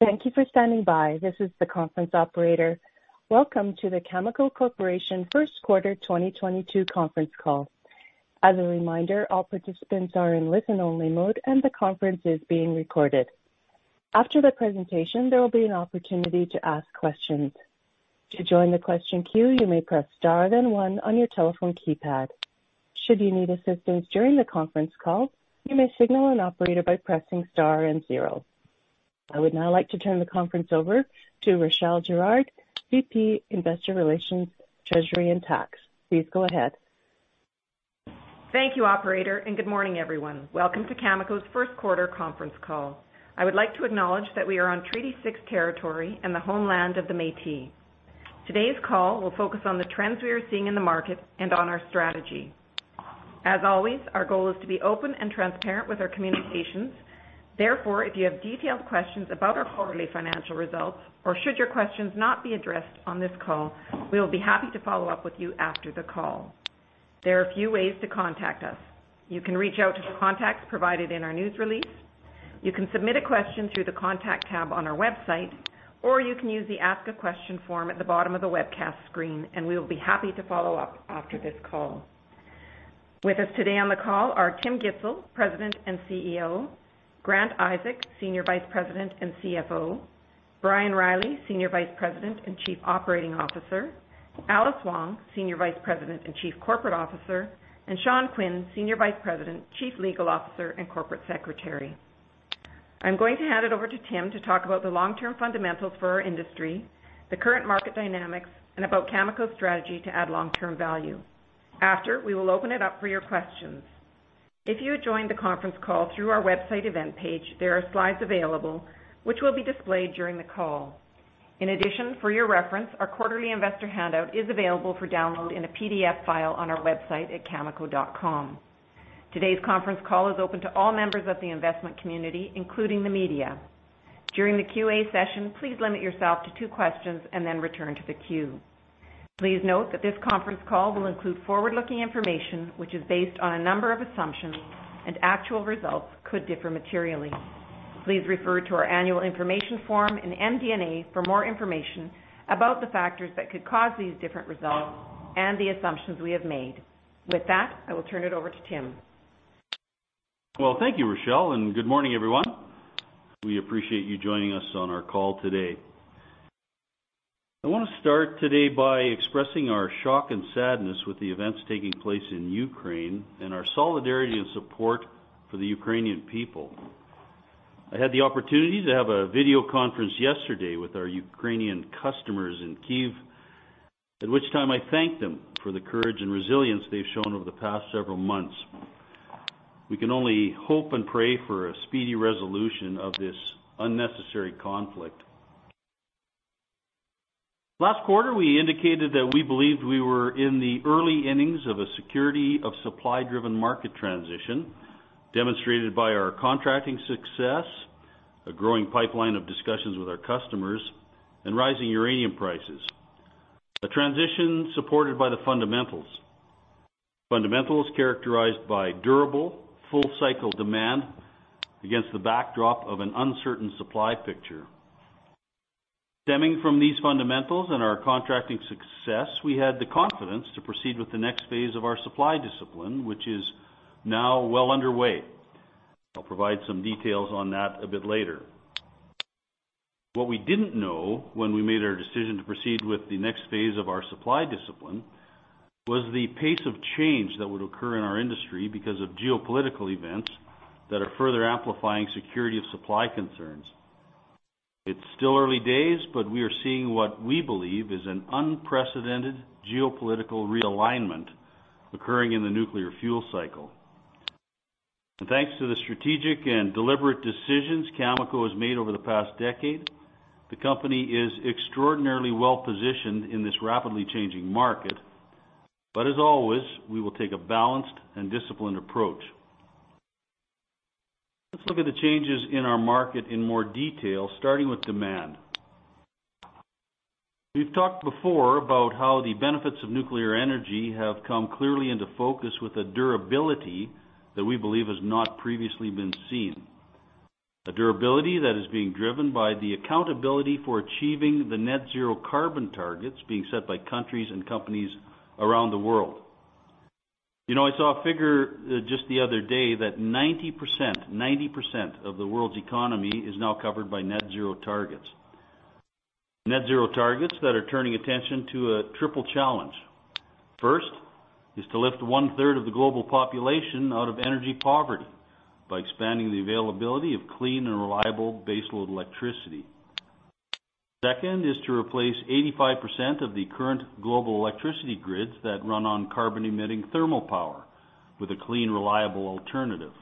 Thank you for standing by. This is the conference operator. Welcome to the Cameco Corporation First Quarter 2022 conference call. As a reminder, all participants are in listen-only mode and the conference is being recorded. After the presentation, there will be an opportunity to ask questions. To join the question queue, you may press Star, then one on your telephone keypad. Should you need assistance during the conference call, you may signal an operator by pressing Star and zero. I would now like to turn the conference over to Rachelle Girard, VP, Investor Relations, Treasury and Tax. Please go ahead. Thank you, operator, and good morning, everyone. Welcome to Cameco's first quarter conference call. I would like to acknowledge that we are on Treaty 6 territory and the homeland of the Métis. Today's call will focus on the trends we are seeing in the market and on our strategy. As always, our goal is to be open and transparent with our communications. Therefore, if you have detailed questions about our quarterly financial results, or should your questions not be addressed on this call, we will be happy to follow up with you after the call. There are a few ways to contact us. You can reach out to the contacts provided in our news release. You can submit a question through the Contact tab on our website, or you can use the Ask a Question form at the bottom of the webcast screen, and we will be happy to follow up after this call. With us today on the call are Tim Gitzel, President and CEO, Grant Isaac, Senior Vice President and CFO, Brian Reilly, Senior Vice President and Chief Operating Officer, Alice Wong, Senior Vice President and Chief Corporate Officer, and Sean Quinn, Senior Vice President, Chief Legal Officer, and Corporate Secretary. I'm going to hand it over to Tim to talk about the long-term fundamentals for our industry, the current market dynamics, and about Cameco's strategy to add long-term value. After, we will open it up for your questions. If you joined the conference call through our website event page, there are slides available which will be displayed during the call. In addition, for your reference, our quarterly investor handout is available for download in a PDF file on our website at cameco.com. Today's conference call is open to all members of the investment community, including the media. During the QA session, please limit yourself to two questions and then return to the queue. Please note that this conference call will include forward-looking information which is based on a number of assumptions, and actual results could differ materially. Please refer to our annual information form and MD&A for more information about the factors that could cause these different results and the assumptions we have made. With that, I will turn it over to Tim. Well, thank you, Rachelle, and good morning, everyone. We appreciate you joining us on our call today. I want to start today by expressing our shock and sadness with the events taking place in Ukraine and our solidarity and support for the Ukrainian people. I had the opportunity to have a video conference yesterday with our Ukrainian customers in Kyiv, at which time I thanked them for the courage and resilience they've shown over the past several months. We can only hope and pray for a speedy resolution of this unnecessary conflict. Last quarter, we indicated that we believed we were in the early innings of a security of supply-driven market transition, demonstrated by our contracting success, a growing pipeline of discussions with our customers, and rising uranium prices. A transition supported by the fundamentals. Fundamentals characterized by durable, full cycle demand against the backdrop of an uncertain supply picture. Stemming from these fundamentals and our contracting success, we had the confidence to proceed with the next phase of our supply discipline, which is now well underway. I'll provide some details on that a bit later. What we didn't know when we made our decision to proceed with the next phase of our supply discipline was the pace of change that would occur in our industry because of geopolitical events that are further amplifying security of supply concerns. It's still early days, but we are seeing what we believe is an unprecedented geopolitical realignment occurring in the nuclear fuel cycle. Thanks to the strategic and deliberate decisions Cameco has made over the past decade, the company is extraordinarily well positioned in this rapidly changing market. As always, we will take a balanced and disciplined approach. Let's look at the changes in our market in more detail, starting with demand. We've talked before about how the benefits of nuclear energy have come clearly into focus with a durability that we believe has not previously been seen. A durability that is being driven by the accountability for achieving the net zero carbon targets being set by countries and companies around the world. You know, I saw a figure just the other day that 90% of the world's economy is now covered by net zero targets. Net zero targets that are turning attention to a triple challenge. First is to lift one-third of the global population out of energy poverty by expanding the availability of clean and reliable baseload electricity. Second is to replace 85% of the current global electricity grids that run on carbon-emitting thermal power with a clean, reliable alternative.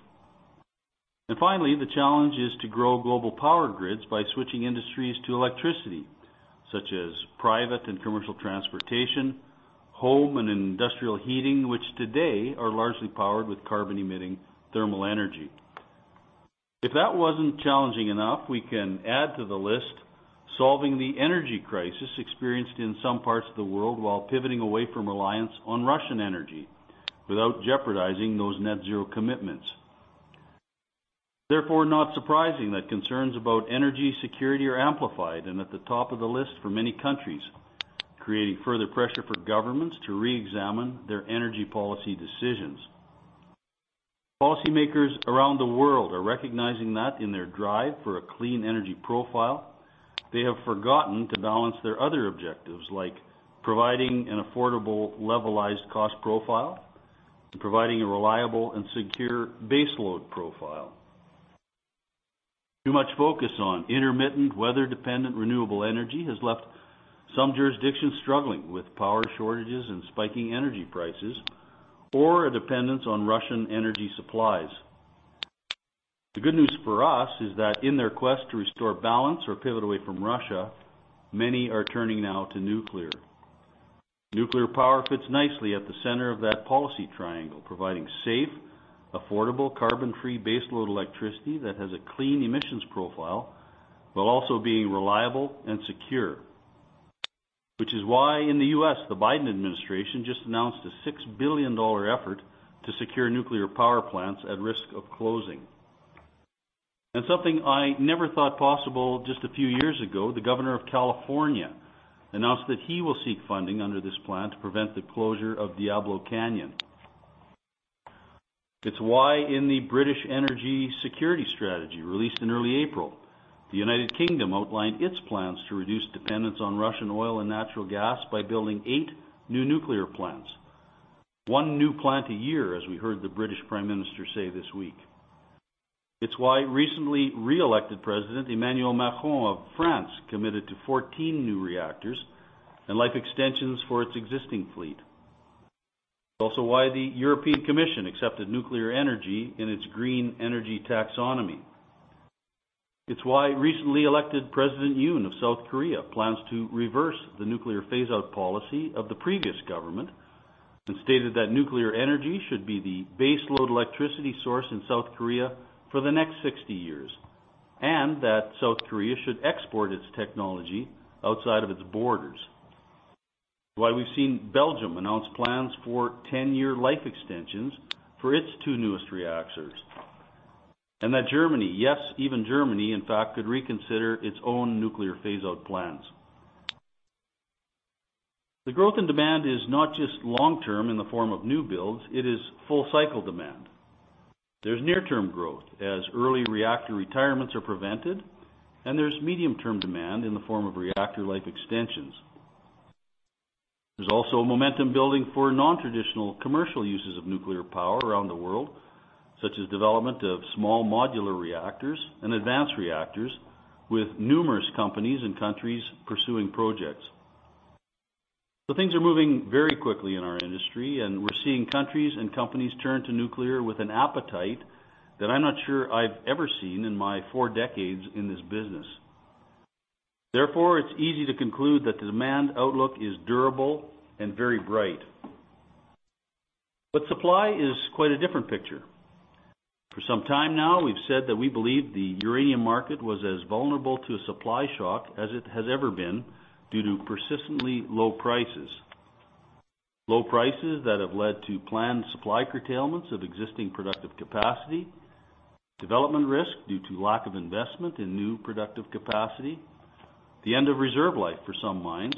Finally, the challenge is to grow global power grids by switching industries to electricity, such as private and commercial transportation, home and industrial heating, which today are largely powered with carbon-emitting thermal energy. If that wasn't challenging enough, we can add to the list, solving the energy crisis experienced in some parts of the world while pivoting away from reliance on Russian energy without jeopardizing those net zero commitments. Therefore, not surprising that concerns about energy security are amplified and at the top of the list for many countries, creating further pressure for governments to reexamine their energy policy decisions. Policymakers around the world are recognizing that in their drive for a clean energy profile, they have forgotten to balance their other objectives, like providing an affordable levelized cost profile, providing a reliable and secure baseload profile. Too much focus on intermittent weather-dependent renewable energy has left some jurisdictions struggling with power shortages and spiking energy prices, or a dependence on Russian energy supplies. The good news for us is that in their quest to restore balance or pivot away from Russia, many are turning now to nuclear. Nuclear power fits nicely at the center of that policy triangle, providing safe, affordable, carbon-free baseload electricity that has a clean emissions profile while also being reliable and secure. Which is why in the U.S., the Biden administration just announced a $6 billion effort to secure nuclear power plants at risk of closing. Something I never thought possible just a few years ago, the Governor of California announced that he will seek funding under this plan to prevent the closure of Diablo Canyon. It's why in the British Energy Security Strategy, released in early April, the United Kingdom outlined its plans to reduce dependence on Russian oil and natural gas by building 8 new nuclear plants. 1 new plant a year, as we heard the British Prime Minister say this week. It's why recently reelected President Emmanuel Macron of France committed to 14 new reactors and life extensions for its existing fleet. Also why the European Commission accepted nuclear energy in its green energy taxonomy. It's why recently elected President Yoon of South Korea plans to reverse the nuclear phase-out policy of the previous government and stated that nuclear energy should be the baseload electricity source in South Korea for the next 60 years, and that South Korea should export its technology outside of its borders. Why we've seen Belgium announce plans for 10-year life extensions for its two newest reactors. That Germany, yes, even Germany, in fact, could reconsider its own nuclear phase-out plans. The growth in demand is not just long term in the form of new builds, it is full cycle demand. There's near term growth as early reactor retirements are prevented, and there's medium term demand in the form of reactor life extensions. There's also a momentum building for nontraditional commercial uses of nuclear power around the world, such as development of small modular reactors and advanced reactors with numerous companies and countries pursuing projects. Things are moving very quickly in our industry, and we're seeing countries and companies turn to nuclear with an appetite that I'm not sure I've ever seen in my four decades in this business. Therefore, it's easy to conclude that the demand outlook is durable and very bright. Supply is quite a different picture. For some time now, we've said that we believe the uranium market was as vulnerable to a supply shock as it has ever been due to persistently low prices. Low prices that have led to planned supply curtailments of existing productive capacity, development risk due to lack of investment in new productive capacity, the end of reserve life for some mines,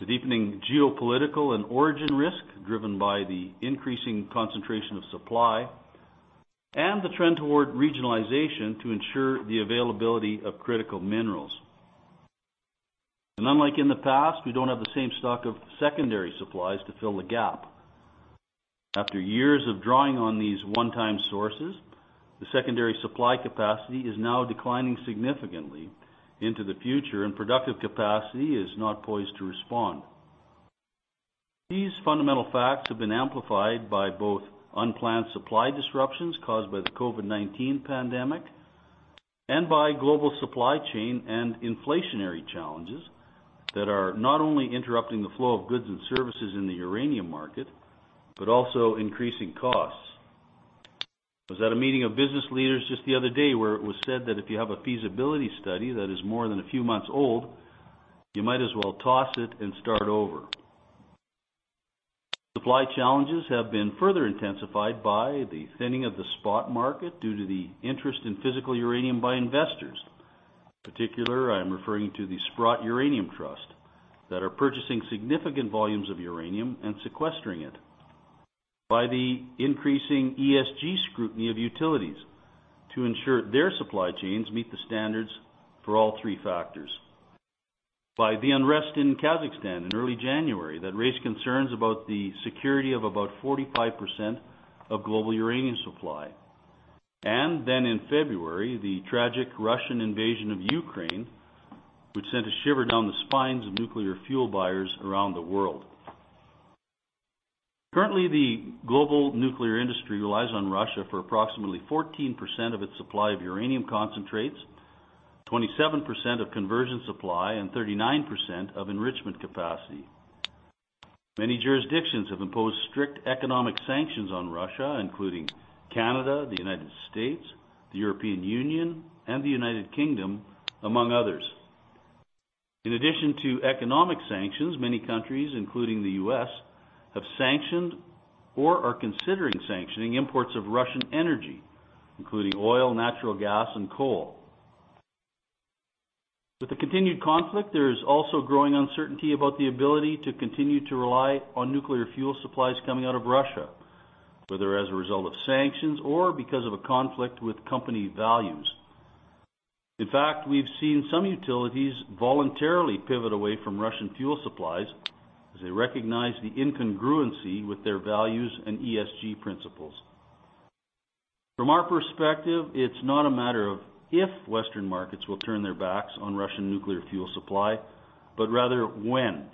the deepening geopolitical and origin risk driven by the increasing concentration of supply, and the trend toward regionalization to ensure the availability of critical minerals. Unlike in the past, we don't have the same stock of secondary supplies to fill the gap. After years of drawing on these one-time sources, the secondary supply capacity is now declining significantly into the future, and productive capacity is not poised to respond. These fundamental facts have been amplified by both unplanned supply disruptions caused by the COVID-19 pandemic and by global supply chain and inflationary challenges that are not only interrupting the flow of goods and services in the uranium market, but also increasing costs. I was at a meeting of business leaders just the other day where it was said that if you have a feasibility study that is more than a few months old, you might as well toss it and start over. Supply challenges have been further intensified by the thinning of the spot market due to the interest in physical uranium by investors. In particular, I am referring to the Sprott Physical Uranium Trust that are purchasing significant volumes of uranium and sequestering it. By the increasing ESG scrutiny of utilities to ensure their supply chains meet the standards for all three factors. By the unrest in Kazakhstan in early January that raised concerns about the security of about 45% of global uranium supply. Then in February, the tragic Russian invasion of Ukraine, which sent a shiver down the spines of nuclear fuel buyers around the world. Currently, the global nuclear industry relies on Russia for approximately 14% of its supply of uranium concentrates, 27% of conversion supply, and 39% of enrichment capacity. Many jurisdictions have imposed strict economic sanctions on Russia, including Canada, the United States, the European Union, and the United Kingdom, among others. In addition to economic sanctions, many countries, including the U.S., have sanctioned or are considering sanctioning imports of Russian energy, including oil, natural gas, and coal. With the continued conflict, there is also growing uncertainty about the ability to continue to rely on nuclear fuel supplies coming out of Russia, whether as a result of sanctions or because of a conflict with company values. In fact, we've seen some utilities voluntarily pivot away from Russian fuel supplies as they recognize the incongruency with their values and ESG principles. From our perspective, it's not a matter of if Western markets will turn their backs on Russian nuclear fuel supply, but rather when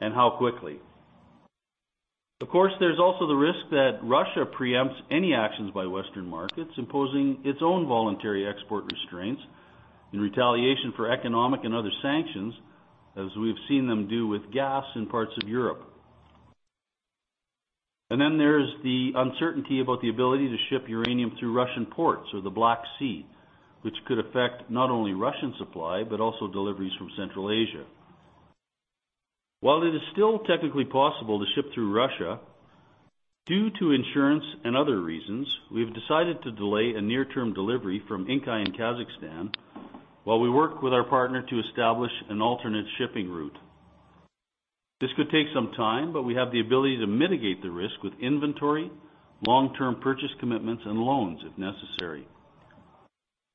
and how quickly. Of course, there's also the risk that Russia preempts any actions by Western markets, imposing its own voluntary export restraints in retaliation for economic and other sanctions, as we've seen them do with gas in parts of Europe. There's the uncertainty about the ability to ship uranium through Russian ports or the Black Sea, which could affect not only Russian supply, but also deliveries from Central Asia. While it is still technically possible to ship through Russia, due to insurance and other reasons, we've decided to delay a near-term delivery from Inkai in Kazakhstan while we work with our partner to establish an alternate shipping route. This could take some time, but we have the ability to mitigate the risk with inventory, long-term purchase commitments, and loans if necessary.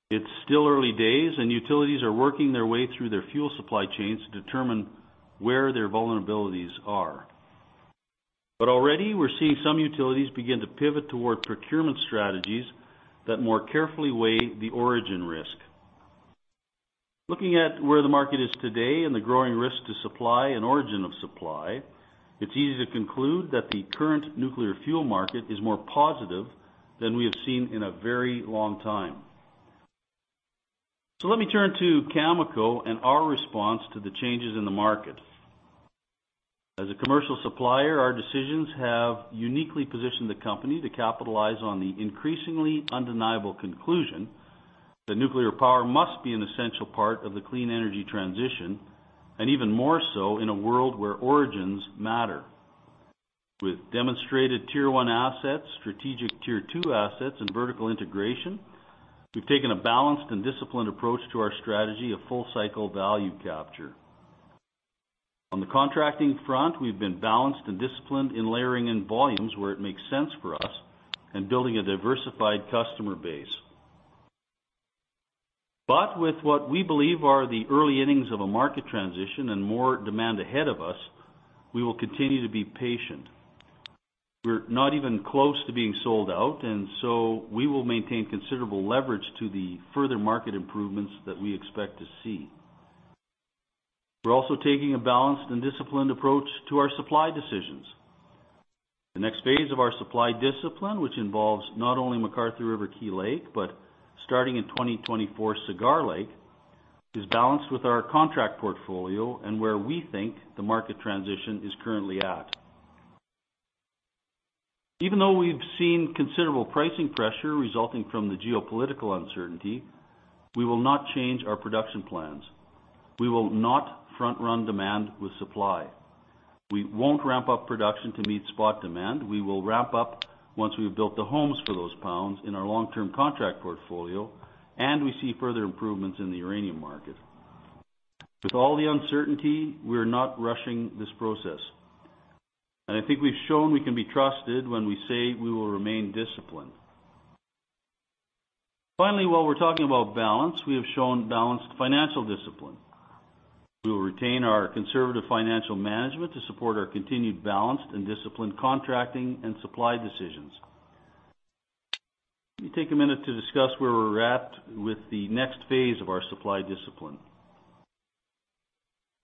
It's still early days, and utilities are working their way through their fuel supply chains to determine where their vulnerabilities are. Already we're seeing some utilities begin to pivot toward procurement strategies that more carefully weigh the origin risk. Looking at where the market is today and the growing risk to supply and origin of supply, it's easy to conclude that the current nuclear fuel market is more positive than we have seen in a very long time. Let me turn to Cameco and our response to the changes in the market. As a commercial supplier, our decisions have uniquely positioned the company to capitalize on the increasingly undeniable conclusion that nuclear power must be an essential part of the clean energy transition, and even more so in a world where origins matter. With demonstrated tier one assets, strategic tier two assets, and vertical integration, we've taken a balanced and disciplined approach to our strategy of full cycle value capture. On the contracting front, we've been balanced and disciplined in layering in volumes where it makes sense for us and building a diversified customer base. With what we believe are the early innings of a market transition and more demand ahead of us, we will continue to be patient. We're not even close to being sold out, and so we will maintain considerable leverage to the further market improvements that we expect to see. We're also taking a balanced and disciplined approach to our supply decisions. The next phase of our supply discipline, which involves not only McArthur River/Key Lake, but starting in 2024, Cigar Lake, is balanced with our contract portfolio and where we think the market transition is currently at. Even though we've seen considerable pricing pressure resulting from the geopolitical uncertainty, we will not change our production plans. We will not front run demand with supply. We won't ramp up production to meet spot demand. We will ramp up once we've built the homes for those pounds in our long-term contract portfolio, and we see further improvements in the uranium market. With all the uncertainty, we're not rushing this process, and I think we've shown we can be trusted when we say we will remain disciplined. Finally, while we're talking about balance, we have shown balanced financial discipline. We will retain our conservative financial management to support our continued balanced and disciplined contracting and supply decisions. Let me take a minute to discuss where we're at with the next phase of our supply discipline.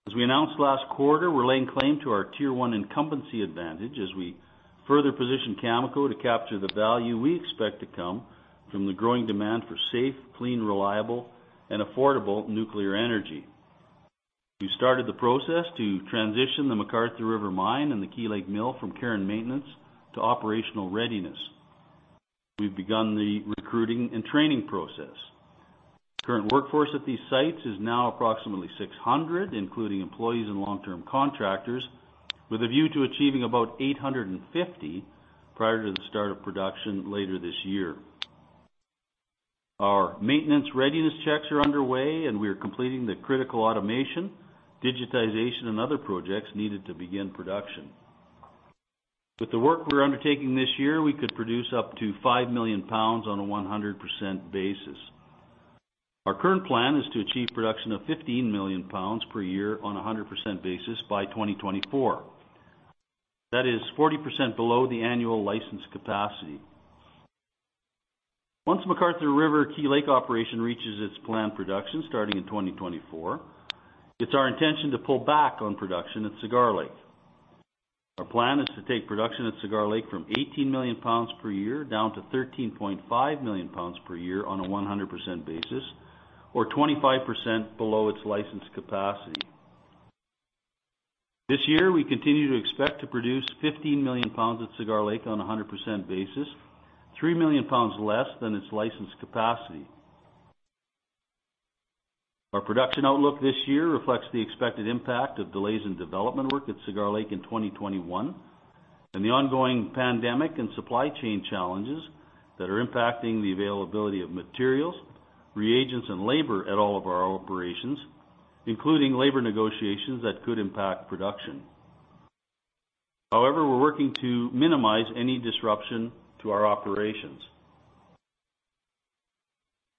As we announced last quarter, we're laying claim to our tier one incumbency advantage as we further position Cameco to capture the value we expect to come from the growing demand for safe, clean, reliable, and affordable nuclear energy. We started the process to transition the McArthur River mine and the Key Lake Mill from care and maintenance to operational readiness. We've begun the recruiting and training process. Current workforce at these sites is now approximately 600, including employees and long-term contractors, with a view to achieving about 850 prior to the start of production later this year. Our maintenance readiness checks are underway, and we are completing the critical automation, digitization, and other projects needed to begin production. With the work we're undertaking this year, we could produce up to 5 million pounds on a 100% basis. Our current plan is to achieve production of 15 million pounds per year on a 100% basis by 2024. That is 40% below the annual license capacity. Once the McArthur River/Key Lake operation reaches its planned production starting in 2024, it's our intention to pull back on production at Cigar Lake. Our plan is to take production at Cigar Lake from 18 million pounds per year down to 13.5 million pounds per year on a 100% basis or 25% below its licensed capacity. This year, we continue to expect to produce 15 million pounds at Cigar Lake on a 100% basis, 3 million pounds less than its licensed capacity. Our production outlook this year reflects the expected impact of delays in development work at Cigar Lake in 2021 and the ongoing pandemic and supply chain challenges that are impacting the availability of materials, reagents, and labor at all of our operations, including labor negotiations that could impact production. However, we're working to minimize any disruption to our operations.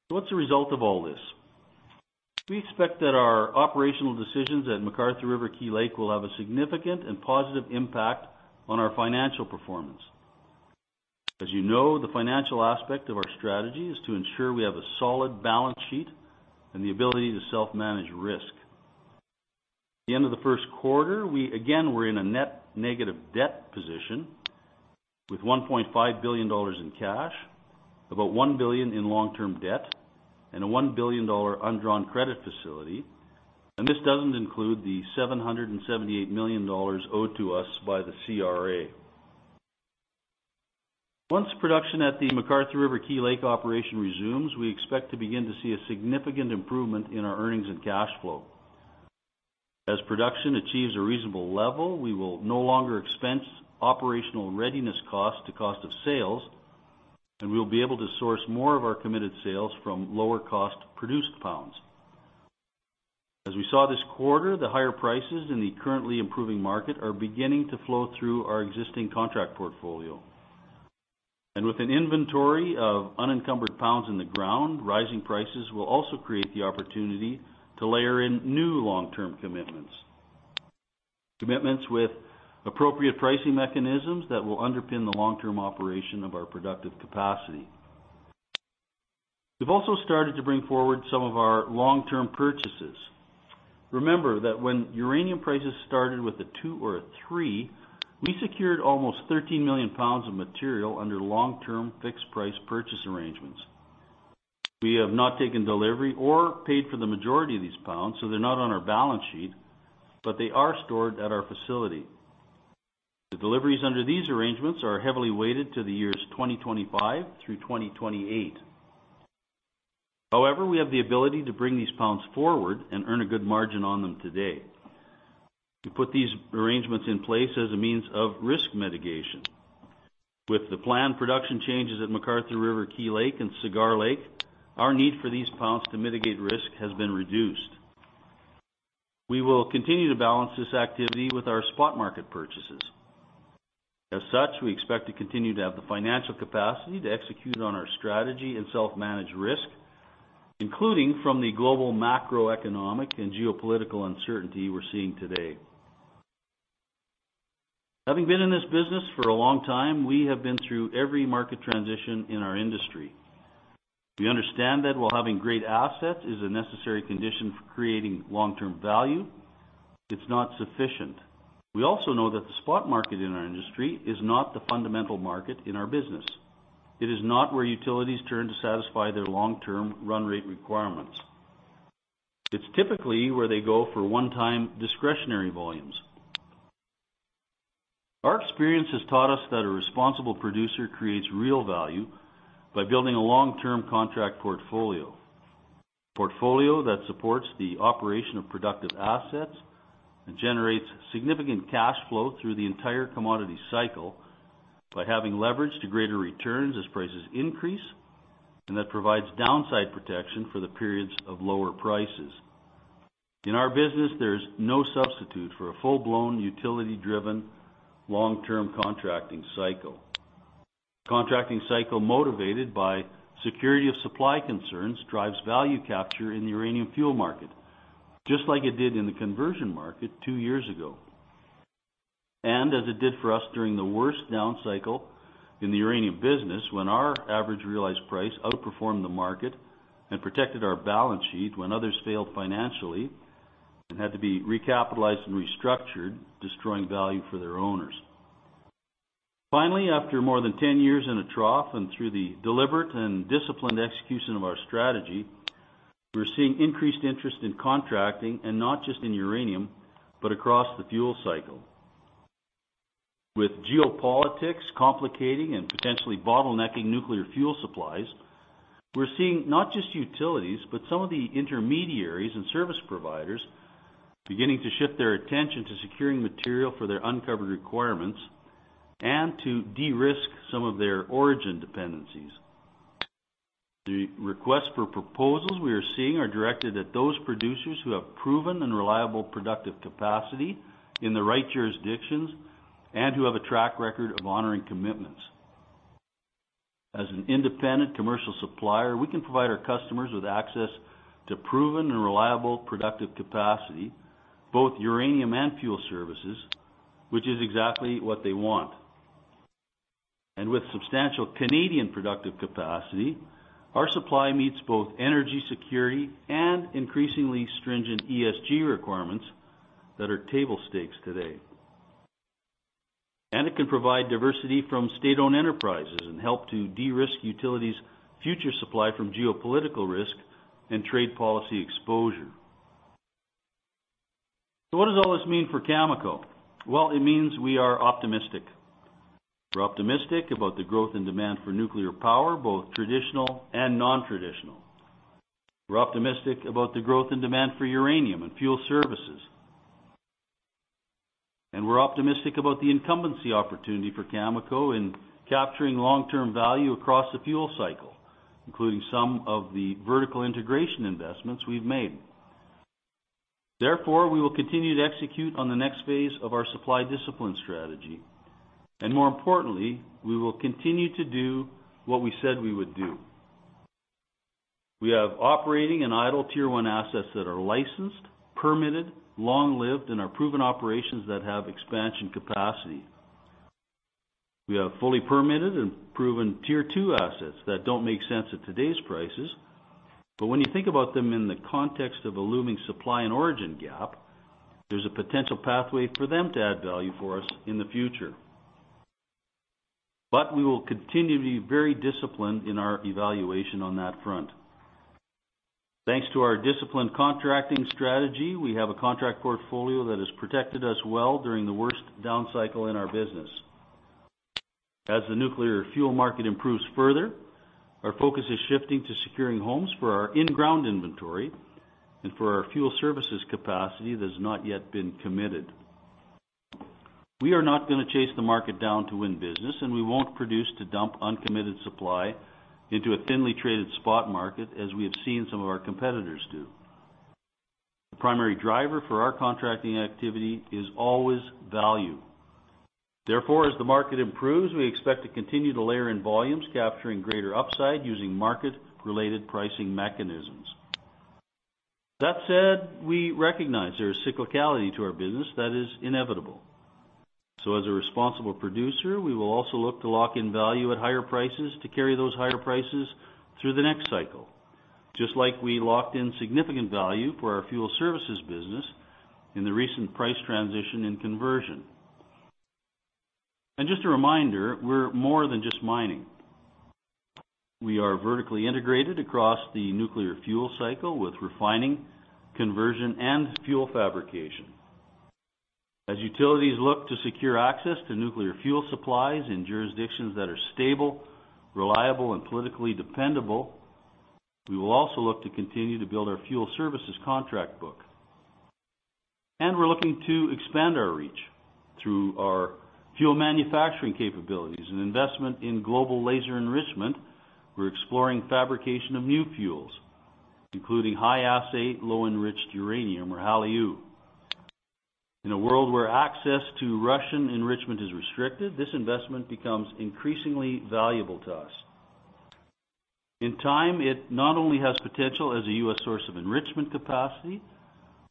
What's the result of all this? We expect that our operational decisions at McArthur River/Key Lake will have a significant and positive impact on our financial performance. As you know, the financial aspect of our strategy is to ensure we have a solid balance sheet and the ability to self-manage risk. At the end of the first quarter, we again were in a net negative debt position with 1.5 billion dollars in cash, about 1 billion in long-term debt, and a 1 billion dollar undrawn credit facility. This doesn't include the 778 million dollars owed to us by the CRA. Once production at the McArthur River/Key Lake operation resumes, we expect to begin to see a significant improvement in our earnings and cash flow. As production achieves a reasonable level, we will no longer expense operational readiness cost to cost of sales, and we'll be able to source more of our committed sales from lower cost produced pounds. As we saw this quarter, the higher prices in the currently improving market are beginning to flow through our existing contract portfolio. With an inventory of unencumbered pounds in the ground, rising prices will also create the opportunity to layer in new long-term commitments. Commitments with appropriate pricing mechanisms that will underpin the long-term operation of our productive capacity. We've also started to bring forward some of our long-term purchases. Remember that when uranium prices started with a two or a three, we secured almost 13 million pounds of material under long-term fixed-price purchase arrangements. We have not taken delivery or paid for the majority of these pounds, so they're not on our balance sheet, but they are stored at our facility. The deliveries under these arrangements are heavily weighted to the years 2025 through 2028. However, we have the ability to bring these pounds forward and earn a good margin on them today. We put these arrangements in place as a means of risk mitigation. With the planned production changes at McArthur River/Key Lake and Cigar Lake, our need for these pounds to mitigate risk has been reduced. We will continue to balance this activity with our spot market purchases. As such, we expect to continue to have the financial capacity to execute on our strategy and self-manage risk, including from the global macroeconomic and geopolitical uncertainty we're seeing today. Having been in this business for a long time, we have been through every market transition in our industry. We understand that while having great assets is a necessary condition for creating long-term value, it's not sufficient. We also know that the spot market in our industry is not the fundamental market in our business. It is not where utilities turn to satisfy their long-term run rate requirements. It's typically where they go for one-time discretionary volumes. Our experience has taught us that a responsible producer creates real value by building a long-term contract portfolio, a portfolio that supports the operation of productive assets and generates significant cash flow through the entire commodity cycle by having leverage to greater returns as prices increase, and that provides downside protection for the periods of lower prices. In our business, there's no substitute for a full-blown, utility-driven long-term contracting cycle. Contracting cycle motivated by security of supply concerns drives value capture in the uranium fuel market, just like it did in the conversion market two years ago. As it did for us during the worst down cycle in the uranium business, when our average realized price outperformed the market and protected our balance sheet when others failed financially and had to be recapitalized and restructured, destroying value for their owners. Finally, after more than 10 years in a trough and through the deliberate and disciplined execution of our strategy, we're seeing increased interest in contracting, and not just in uranium, but across the fuel cycle. With geopolitics complicating and potentially bottlenecking nuclear fuel supplies, we're seeing not just utilities, but some of the intermediaries and service providers beginning to shift their attention to securing material for their uncovered requirements and to de-risk some of their origin dependencies. The requests for proposals we are seeing are directed at those producers who have proven and reliable productive capacity in the right jurisdictions and who have a track record of honoring commitments. As an independent commercial supplier, we can provide our customers with access to proven and reliable productive capacity, both uranium and fuel services, which is exactly what they want. With substantial Canadian productive capacity, our supply meets both energy security and increasingly stringent ESG requirements that are table stakes today. It can provide diversity from state owned enterprises and help to de-risk utilities future supply from geopolitical risk and trade policy exposure. What does all this mean for Cameco? Well, it means we are optimistic. We're optimistic about the growth and demand for nuclear power, both traditional and non traditional. We're optimistic about the growth and demand for uranium and fuel services. We're optimistic about the incumbency opportunity for Cameco in capturing long-term value across the fuel cycle, including some of the vertical integration investments we've made. Therefore, we will continue to execute on the next phase of our supply discipline strategy, and more importantly, we will continue to do what we said we would do. We have operating and idle tier one assets that are licensed, permitted, long-lived and are proven operations that have expansion capacity. We have fully permitted and proven tier two assets that don't make sense at today's prices, but when you think about them in the context of a looming supply and origin gap, there's a potential pathway for them to add value for us in the future. We will continue to be very disciplined in our evaluation on that front. Thanks to our disciplined contracting strategy, we have a contract portfolio that has protected us well during the worst down cycle in our business. As the nuclear fuel market improves further, our focus is shifting to securing homes for our in ground inventory and for our fuel services capacity that has not yet been committed. We are not going to chase the market down to win business, and we won't produce to dump uncommitted supply into a thinly traded spot market as we have seen some of our competitors do. The primary driver for our contracting activity is always value. Therefore, as the market improves, we expect to continue to layer in volumes capturing greater upside using market-related pricing mechanisms. That said, we recognize there is cyclicality to our business that is inevitable. As a responsible producer, we will also look to lock in value at higher prices to carry those higher prices through the next cycle, just like we locked in significant value for our fuel services business in the recent price transition and conversion. Just a reminder, we're more than just mining. We are vertically integrated across the nuclear fuel cycle with refining, conversion and fuel fabrication. As utilities look to secure access to nuclear fuel supplies in jurisdictions that are stable, reliable and politically dependable, we will also look to continue to build our fuel services contract book. We're looking to expand our reach through our fuel manufacturing capabilities and investment in Global Laser Enrichment. We're exploring fabrication of new fuels, including high-assay low-enriched uranium or HALEU. In a world where access to Russian enrichment is restricted, this investment becomes increasingly valuable to us. In time, it not only has potential as a U.S. source of enrichment capacity,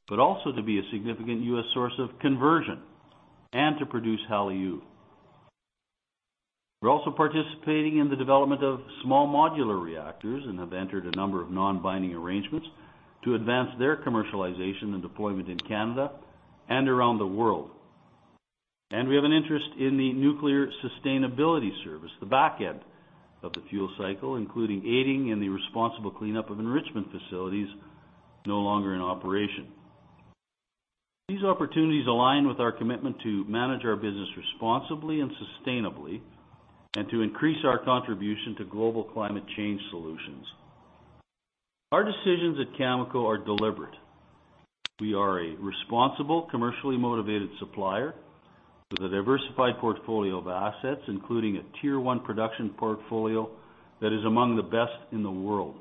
but also to be a significant U.S. source of conversion and to produce HALEU. We're also participating in the development of small modular reactors and have entered a number of non-binding arrangements to advance their commercialization and deployment in Canada and around the world. We have an interest in the nuclear sustainability service, the back end of the fuel cycle, including aiding in the responsible cleanup of enrichment facilities no longer in operation. These opportunities align with our commitment to manage our business responsibly and sustainably and to increase our contribution to global climate change solutions. Our decisions at Cameco are deliberate. We are a responsible, commercially motivated supplier with a diversified portfolio of assets, including a tier one production portfolio that is among the best in the world.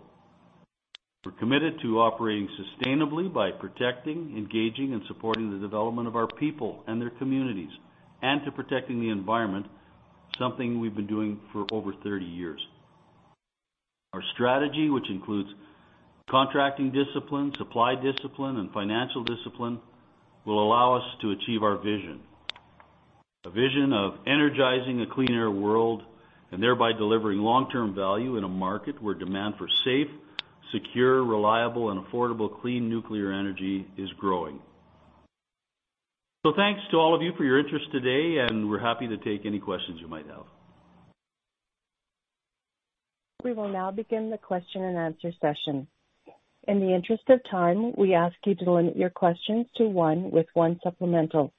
We're committed to operating sustainably by protecting, engaging and supporting the development of our people and their communities and to protecting the environment, something we've been doing for over 30 years. Our strategy, which includes contracting discipline, supply discipline and financial discipline, will allow us to achieve our vision. A vision of energizing a clean air world and thereby delivering long term value in a market where demand for safe, secure, reliable and affordable clean nuclear energy is growing. Thanks to all of you for your interest today, and we're happy to take any questions you might have. We will now begin the question and answer session. In the interest of time, we ask you to limit your questions to one with one supplemental.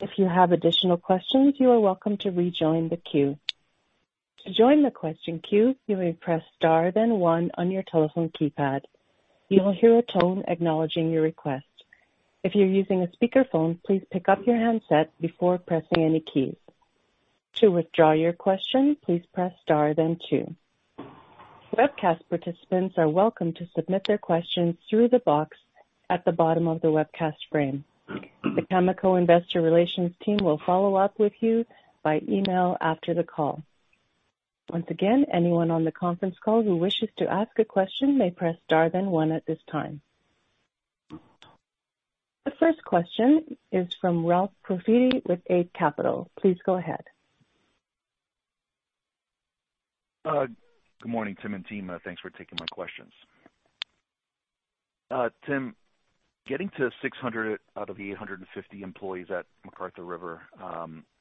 If you have additional questions, you are welcome to rejoin the queue. To join the question queue, you may press star then one on your telephone keypad. You will hear a tone acknowledging your request. If you're using a speakerphone, please pick up your handset before pressing any keys. To withdraw your question, please press star then two. Webcast participants are welcome to submit their questions through the box at the bottom of the webcast frame. The Cameco investor relations team will follow up with you by email after the call. Once again, anyone on the conference call who wishes to ask a question may press star then one at this time. The first question is from Ralph Profiti with Eight Capital. Please go ahead. Good morning, Tim and team. Thanks for taking my questions. Tim, getting to 600 out of the 850 employees at McArthur River,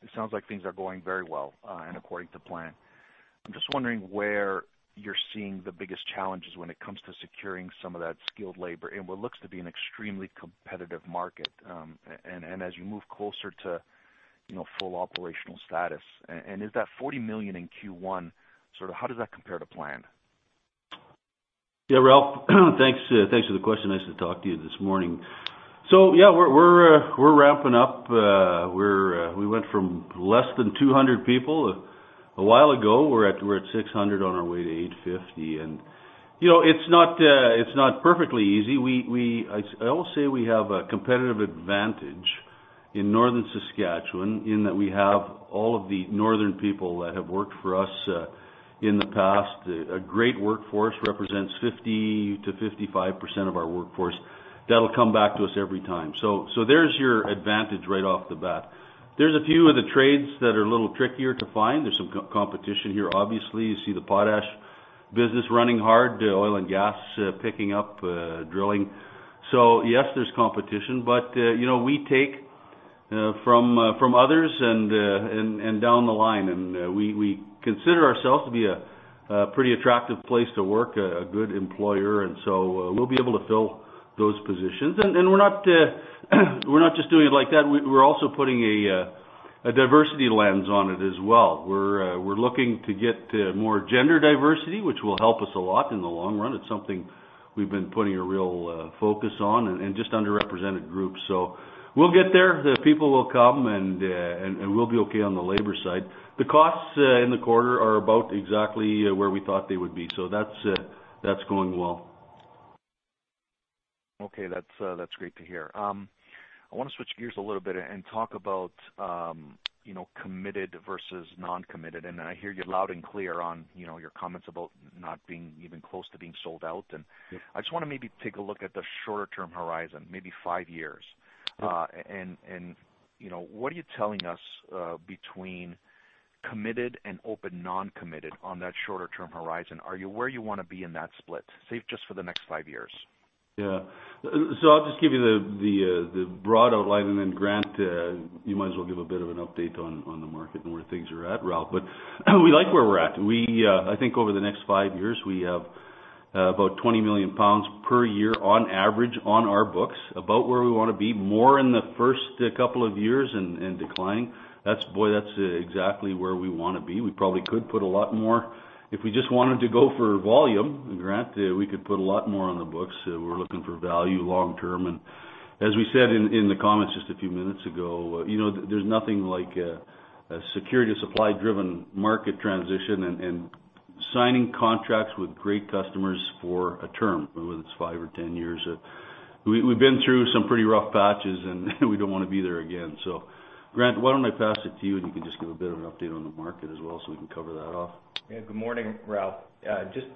it sounds like things are going very well and according to plan. I'm just wondering where you're seeing the biggest challenges when it comes to securing some of that skilled labor in what looks to be an extremely competitive market, and as you move closer to, you know, full operational status. Is that 40 million in Q1, sort of how does that compare to plan? Yeah, Ralph, thanks for the question. Nice to talk to you this morning. Yeah, we're ramping up. We went from less than 200 people a while ago. We're at 600 on our way to 850. You know, it's not perfectly easy. I will say we have a competitive advantage in Northern Saskatchewan in that we have all of the northern people that have worked for us in the past. A great workforce represents 50%-55% of our workforce that'll come back to us every time. There's your advantage right off the bat. There's a few of the trades that are a little trickier to find. There's some competition here, obviously. You see the potash business running hard, oil and gas picking up, drilling. Yes, there's competition, but you know, we take from others and down the line. We consider ourselves to be a pretty attractive place to work, a good employer. We'll be able to fill those positions. We're not just doing it like that. We're also putting a diversity lens on it as well. We're looking to get more gender diversity, which will help us a lot in the long run. It's something we've been putting a real focus on and just underrepresented groups, so we'll get there. The people will come and we'll be okay on the labor side. The costs in the quarter are about exactly where we thought they would be. That's going well. Okay. That's great to hear. I wanna switch gears a little bit and talk about, you know, committed versus non-committed. I hear you loud and clear on, you know, your comments about not being even close to being sold out. Yeah. I just wanna maybe take a look at the shorter term horizon, maybe five years. Sure. You know, what are you telling us between committed and open non-committed on that shorter term horizon? Are you where you wanna be in that split, say, just for the next five years? Yeah. I'll just give you the broad outline, and then Grant, you might as well give a bit of an update on the market and where things are at, Ralph. We like where we're at. I think over the next five years, we have about 20 million pounds per year on average on our books, about where we wanna be. More in the first couple of years and decline. Boy, that's exactly where we wanna be. We probably could put a lot more if we just wanted to go for volume. Grant, we could put a lot more on the books, so we're looking for value long-term. As we said in the comments just a few minutes ago, you know, there's nothing like a security supply-driven market transition and signing contracts with great customers for a term, whether it's 5 or 10 years. We've been through some pretty rough patches, and we don't wanna be there again. Grant, why don't I pass it to you, and you can just give a bit of an update on the market as well so we can cover that off. Yeah. Good morning, Ralph. Just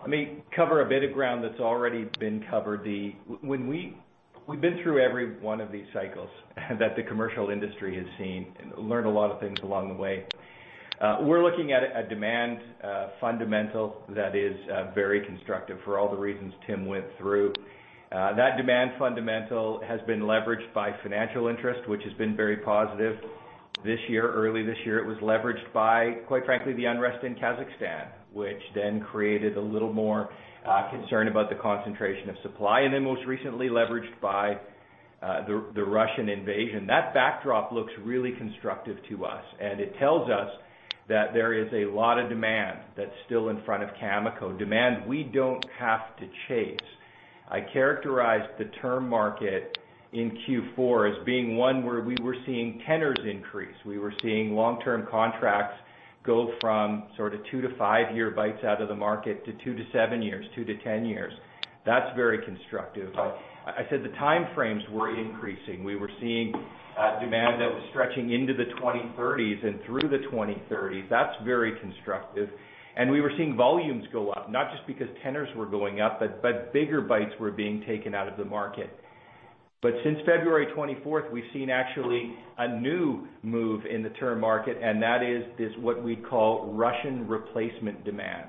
let me cover a bit of ground that's already been covered. We've been through every one of these cycles that the commercial industry has seen and learned a lot of things along the way. We're looking at a demand fundamental that is very constructive for all the reasons Tim went through. That demand fundamental has been leveraged by financial interest, which has been very positive this year. Early this year, it was leveraged by, quite frankly, the unrest in Kazakhstan, which then created a little more concern about the concentration of supply. Most recently leveraged by the Russian invasion. That backdrop looks really constructive to us, and it tells us that there is a lot of demand that's still in front of Cameco, demand we don't have to chase. I characterized the term market in Q4 as being one where we were seeing tenors increase. We were seeing long-term contracts go from sort of 2- to 5-year bites out of the market to 2- to 7 years, 2- to 10 years. That's very constructive. I said the time frames were increasing. We were seeing demand that was stretching into the 2030s and through the 2030s. That's very constructive. We were seeing volumes go up, not just because tenors were going up, but bigger bites were being taken out of the market. Since February 24, we've seen actually a new move in the term market, and that is, this what we call Russian replacement demand.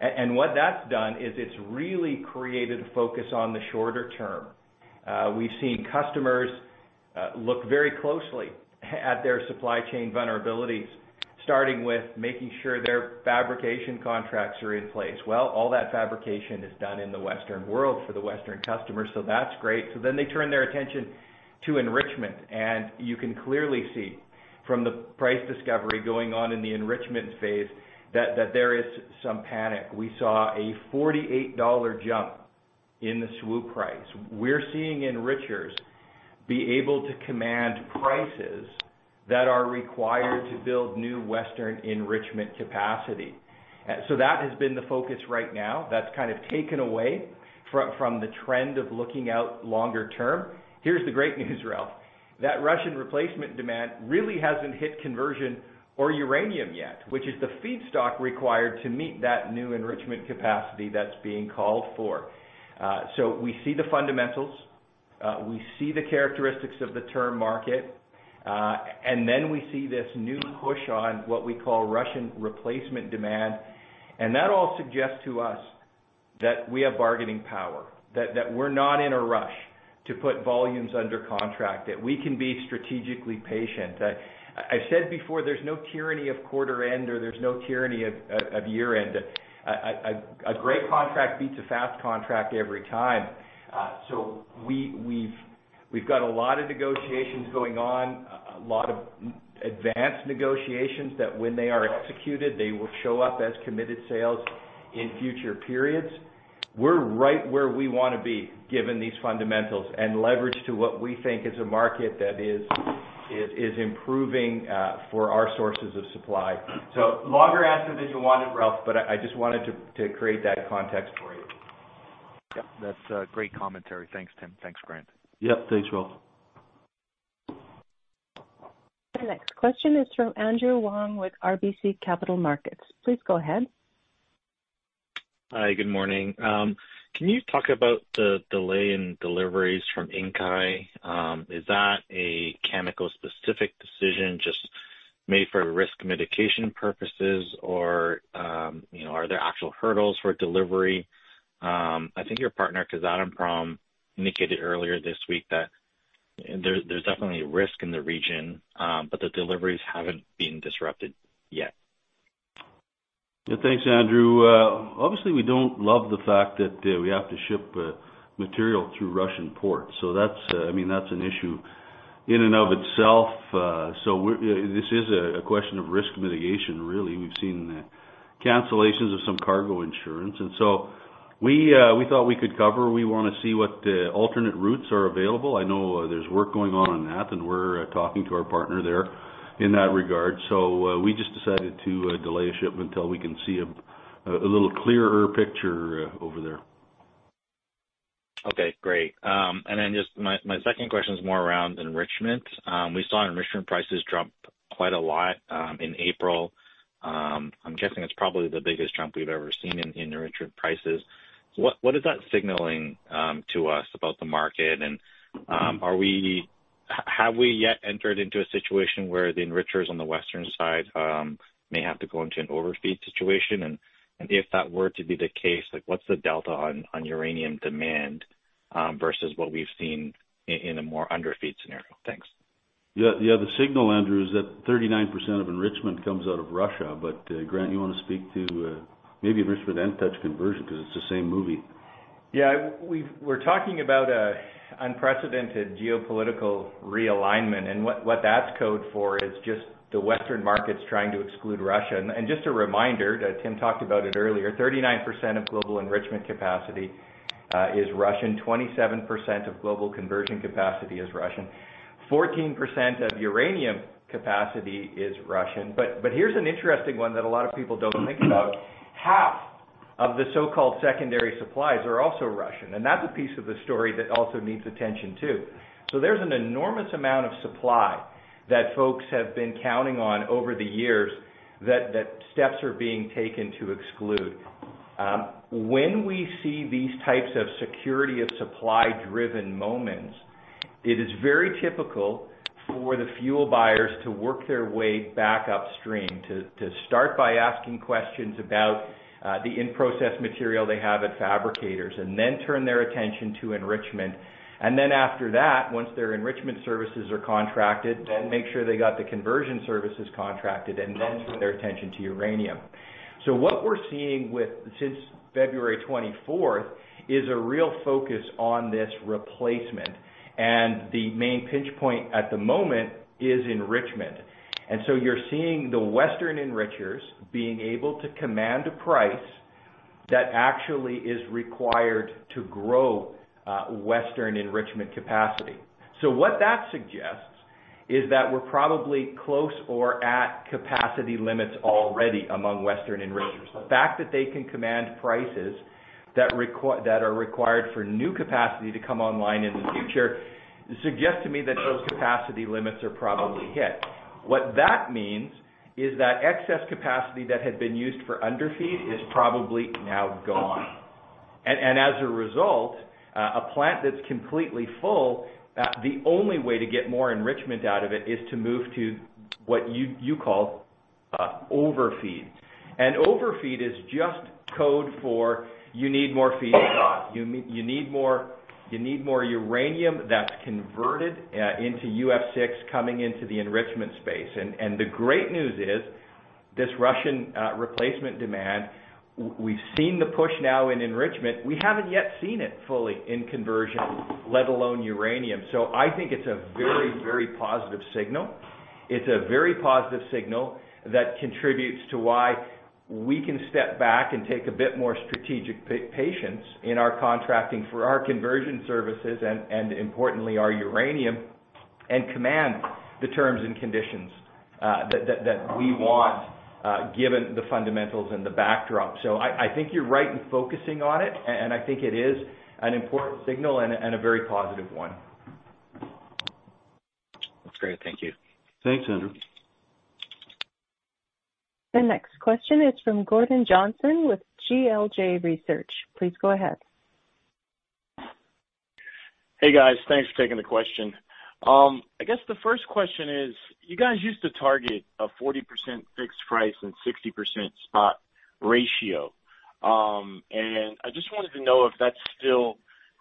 What that's done is it's really created a focus on the shorter term. We've seen customers look very closely at their supply chain vulnerabilities, starting with making sure their fabrication contracts are in place. Well, all that fabrication is done in the Western world for the Western customers, so that's great. They turn their attention to enrichment. You can clearly see from the price discovery going on in the enrichment phase that there is some panic. We saw a $48 jump in the SWU price. We're seeing enrichers be able to command prices that are required to build new Western enrichment capacity. That has been the focus right now. That's kind of taken away from the trend of looking out longer term. Here's the great news, Ralph. That Russian replacement demand really hasn't hit conversion or uranium yet, which is the feedstock required to meet that new enrichment capacity that's being called for. We see the fundamentals. We see the characteristics of the term market, and then we see this new push on what we call Russian replacement demand. That all suggests to us that we have bargaining power, that we're not in a rush to put volumes under contract, that we can be strategically patient. I said before, there's no tyranny of quarter end or there's no tyranny of year-end. A great contract beats a fast contract every time. We've got a lot of negotiations going on, a lot of advanced negotiations that when they are executed, they will show up as committed sales in future periods. We're right where we wanna be, given these fundamentals and leverage to what we think is a market that is improving for our sources of supply. Longer answer than you wanted, Ralph, but I just wanted to create that context for you. Yep. That's a great commentary. Thanks, Tim. Thanks, Grant. Yep. Thanks, Ralph. The next question is from Andrew Wong with RBC Capital Markets. Please go ahead. Hi. Good morning. Can you talk about the delay in deliveries from Inkai? Is that a Cameco-specific decision just made for risk mitigation purposes or, you know, are there actual hurdles for delivery? I think your partner, Kazatomprom, indicated earlier this week that there's definitely risk in the region, but the deliveries haven't been disrupted yet. Thanks, Andrew. Obviously, we don't love the fact that we have to ship material through Russian ports. That's, I mean, that's an issue in and of itself. This is a question of risk mitigation, really. We've seen cancellations of some cargo insurance, and so we thought we could cover. We want to see what alternate routes are available. I know there's work going on that, and we're talking to our partner there in that regard. We just decided to delay a shipment until we can see a little clearer picture over there. Okay, great. Just my second question is more around enrichment. We saw enrichment prices drop quite a lot in April. I'm guessing it's probably the biggest jump we've ever seen in enrichment prices. What is that signaling to us about the market? Have we yet entered into a situation where the enrichers on the western side may have to go into an overfeeding situation? If that were to be the case, like, what's the delta on uranium demand versus what we've seen in a more underfeeding scenario? Thanks. Yeah. The signal, Andrew, is that 39% of enrichment comes out of Russia. Grant, you wanna speak to maybe enrichment and touch on conversion 'cause it's the same movie. Yeah. We're talking about an unprecedented geopolitical realignment. What that's code for is just the Western markets trying to exclude Russia. Just a reminder, Tim talked about it earlier, 39% of global enrichment capacity is Russian, 27% of global conversion capacity is Russian, 14% of uranium capacity is Russian. Here's an interesting one that a lot of people don't think about. Half of the so-called secondary supplies are also Russian, and that's a piece of the story that also needs attention too. There's an enormous amount of supply that folks have been counting on over the years that steps are being taken to exclude. When we see these types of security of supply-driven moments, it is very typical for the fuel buyers to work their way back upstream to start by asking questions about the in-process material they have at fabricators and then turn their attention to enrichment. After that, once their enrichment services are contracted, make sure they got the conversion services contracted and then turn their attention to uranium. What we're seeing since February 24 is a real focus on this replacement. The main pinch point at the moment is enrichment. You're seeing the Western enrichers being able to command a price that actually is required to grow Western enrichment capacity. What that suggests is that we're probably close or at capacity limits already among Western enrichers. The fact that they can command prices that are required for new capacity to come online in the future suggests to me that those capacity limits are probably hit. What that means is that excess capacity that had been used for underfeeding is probably now gone. And as a result, a plant that's completely full, the only way to get more enrichment out of it is to move to what you call overfeeding. Overfeeding is just code for you need more feedstock. You need more uranium that's converted into UF6 coming into the enrichment space. And the great news is this Russian replacement demand. We've seen the push now in enrichment. We haven't yet seen it fully in conversion, let alone uranium. I think it's a very, very positive signal. It's a very positive signal that contributes to why we can step back and take a bit more strategic patience in our contracting for our conversion services and importantly, our uranium, and command the terms and conditions that we want, given the fundamentals and the backdrop. I think you're right in focusing on it, and I think it is an important signal and a very positive one. Great. Thank you. Thanks, Andrew. The next question is from Gordon Johnson with GLJ Research. Please go ahead. Hey, guys. Thanks for taking the question. I guess the first question is you guys used to target a 40% fixed price and 60% spot ratio. I just wanted to know if that's still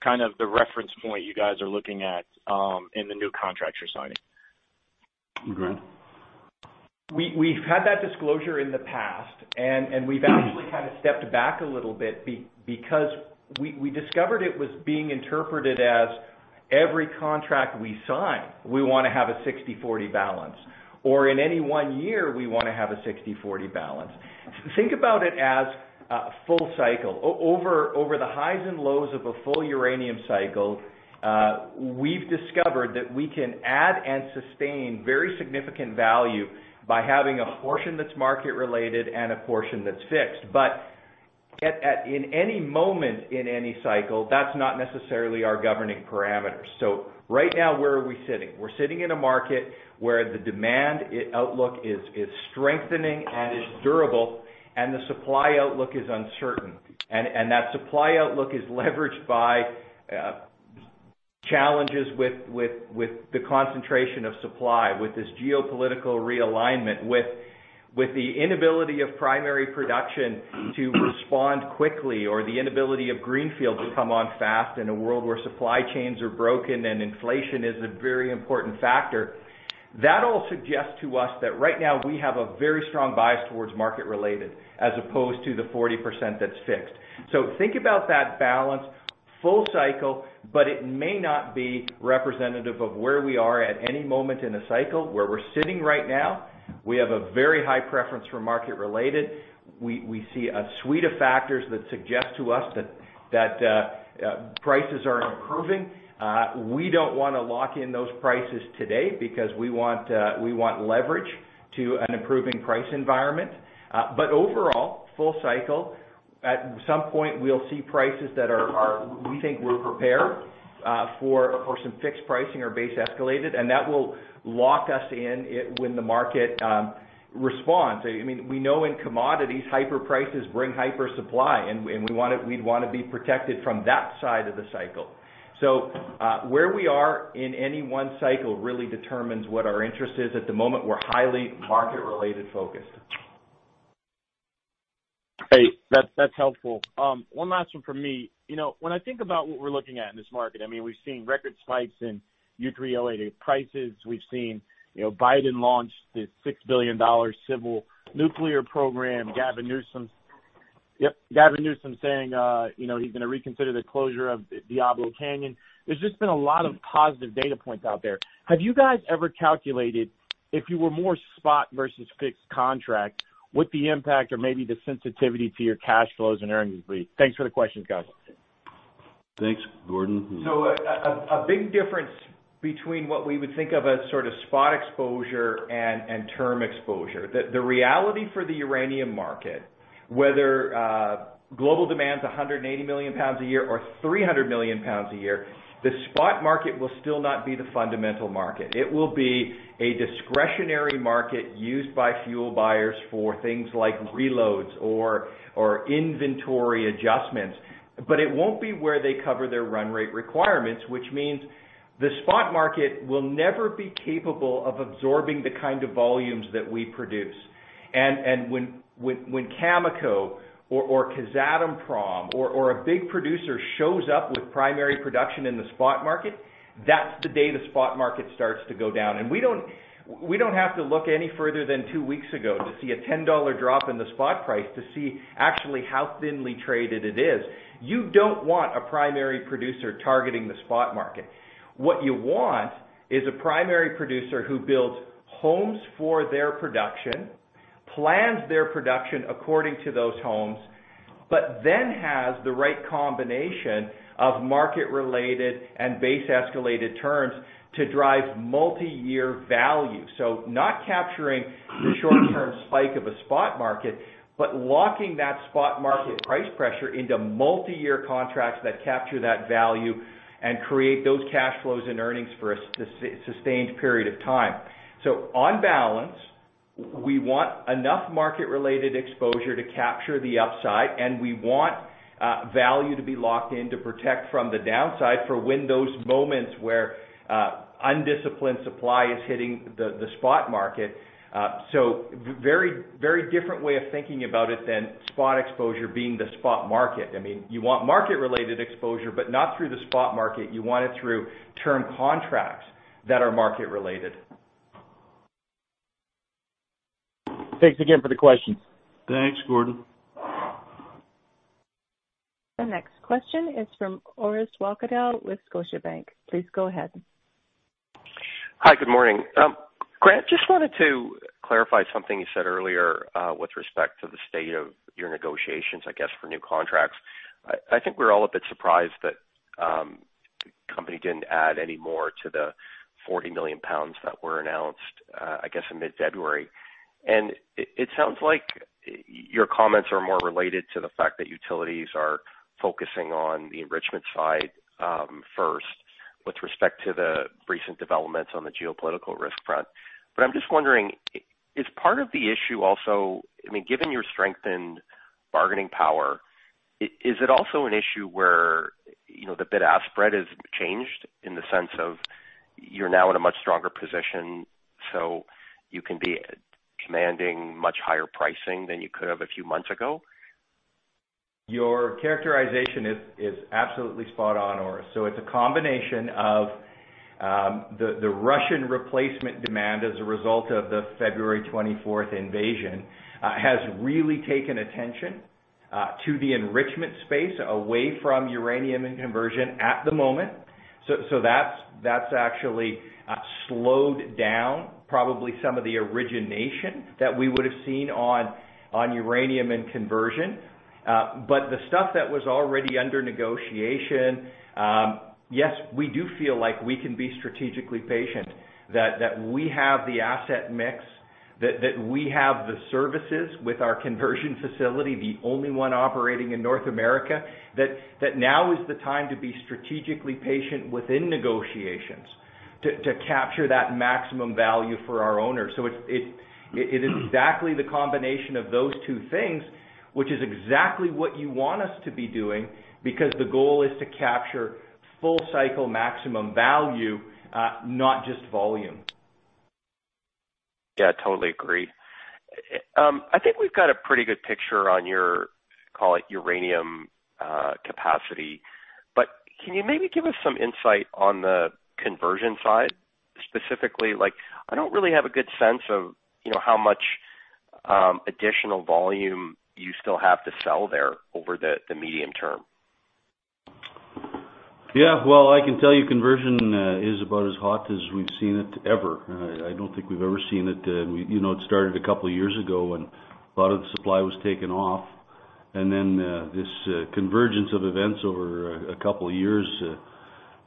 kind of the reference point you guys are looking at, in the new contracts you're signing? Grant? We've had that disclosure in the past, and we've actually kind of stepped back a little bit because we discovered it was being interpreted as every contract we sign, we wanna have a 60/40 balance. In any one year, we wanna have a 60/40 balance. Think about it as a full cycle. Over the highs and lows of a full uranium cycle, we've discovered that we can add and sustain very significant value by having a portion that's market-related and a portion that's fixed. At any moment in any cycle, that's not necessarily our governing parameters. Right now, where are we sitting? We're sitting in a market where the demand outlook is strengthening and is durable, and the supply outlook is uncertain. That supply outlook is leveraged by challenges with the concentration of supply, with this geopolitical realignment, with the inability of primary production to respond quickly or the inability of greenfield to come on fast in a world where supply chains are broken and inflation is a very important factor. That all suggests to us that right now we have a very strong bias towards market-related as opposed to the 40% that's fixed. Think about that balance full cycle, but it may not be representative of where we are at any moment in a cycle. Where we're sitting right now, we have a very high preference for market-related. We see a suite of factors that suggest to us that prices are improving. We don't wanna lock in those prices today because we want leverage to an improving price environment. Overall, full cycle, at some point we'll see prices that we think we're prepared for some fixed pricing or base escalated, and that will lock us in it when the market responds. I mean, we know in commodities, hyper prices bring hyper supply, and we'd wanna be protected from that side of the cycle. Where we are in any one cycle really determines what our interest is. At the moment, we're highly market-related focused. Hey, that's helpful. One last one for me. You know, when I think about what we're looking at in this market, I mean, we've seen record spikes in U3O8 prices. We've seen, you know, Biden launch this $6 billion civil nuclear program. Gavin Newsom, yep, Gavin Newsom saying, you know, he's gonna reconsider the closure of Diablo Canyon. There's just been a lot of positive data points out there. Have you guys ever calculated if you were more spot versus fixed contract, what the impact or maybe the sensitivity to your cash flows and earnings would be? Thanks for the questions, guys. Thanks, Gordon. A big difference between what we would think of as sort of spot exposure and term exposure. The reality for the uranium market, whether global demand's 180 million pounds a year or 300 million pounds a year, the spot market will still not be the fundamental market. It will be a discretionary market used by fuel buyers for things like reloads or inventory adjustments. It won't be where they cover their run rate requirements, which means the spot market will never be capable of absorbing the kind of volumes that we produce. When Cameco or Kazatomprom or a big producer shows up with primary production in the spot market, that's the day the spot market starts to go down. We don't have to look any further than two weeks ago to see a $10 drop in the spot price to see actually how thinly traded it is. You don't want a primary producer targeting the spot market. What you want is a primary producer who builds homes for their production, plans their production according to those homes, but then has the right combination of market-related and base-escalated terms to drive multi-year value. Not capturing the short-term spike of a spot market, but locking that spot market price pressure into multi-year contracts that capture that value and create those cash flows and earnings for a sustained period of time. On balance, we want enough market-related exposure to capture the upside, and we want value to be locked in to protect from the downside for when those moments where undisciplined supply is hitting the spot market. Very different way of thinking about it than spot exposure being the spot market. I mean, you want market-related exposure, but not through the spot market. You want it through term contracts that are market-related. Thanks again for the questions. Thanks, Gordon. The next question is from Orest Wowkodaw with Scotiabank. Please go ahead. Hi, good morning. Grant, just wanted to clarify something you said earlier with respect to the state of your negotiations, I guess, for new contracts. I think we're all a bit surprised that the company didn't add any more to the 40 million pounds that were announced, I guess, in mid-February. It sounds like your comments are more related to the fact that utilities are focusing on the enrichment side first with respect to the recent developments on the geopolitical risk front. I'm just wondering, is part of the issue also? I mean, given your strengthened bargaining power, is it also an issue where, you know, the bid-ask spread has changed in the sense of you're now in a much stronger position, so you can be commanding much higher pricing than you could have a few months ago? Your characterization is absolutely spot on, Orest Wowkodaw. It's a combination of the Russian replacement demand as a result of the February twenty-fourth invasion has really taken attention to the enrichment space away from uranium and conversion at the moment. That's actually slowed down probably some of the origination that we would've seen on uranium and conversion. But the stuff that was already under negotiation, yes, we do feel like we can be strategically patient, that we have the asset mix, that we have the services with our conversion facility, the only one operating in North America, that now is the time to be strategically patient within negotiations to capture that maximum value for our owners. It is exactly the combination of those two things, which is exactly what you want us to be doing because the goal is to capture full cycle maximum value, not just volume. Yeah, totally agreed. I think we've got a pretty good picture on your, call it uranium, capacity, but can you maybe give us some insight on the conversion side specifically? Like, I don't really have a good sense of, you know, how much additional volume you still have to sell there over the medium term. Yeah. Well, I can tell you conversion is about as hot as we've seen it ever. I don't think we've ever seen it. You know, it started a couple of years ago when a lot of the supply was taken off. Then this convergence of events over a couple of years,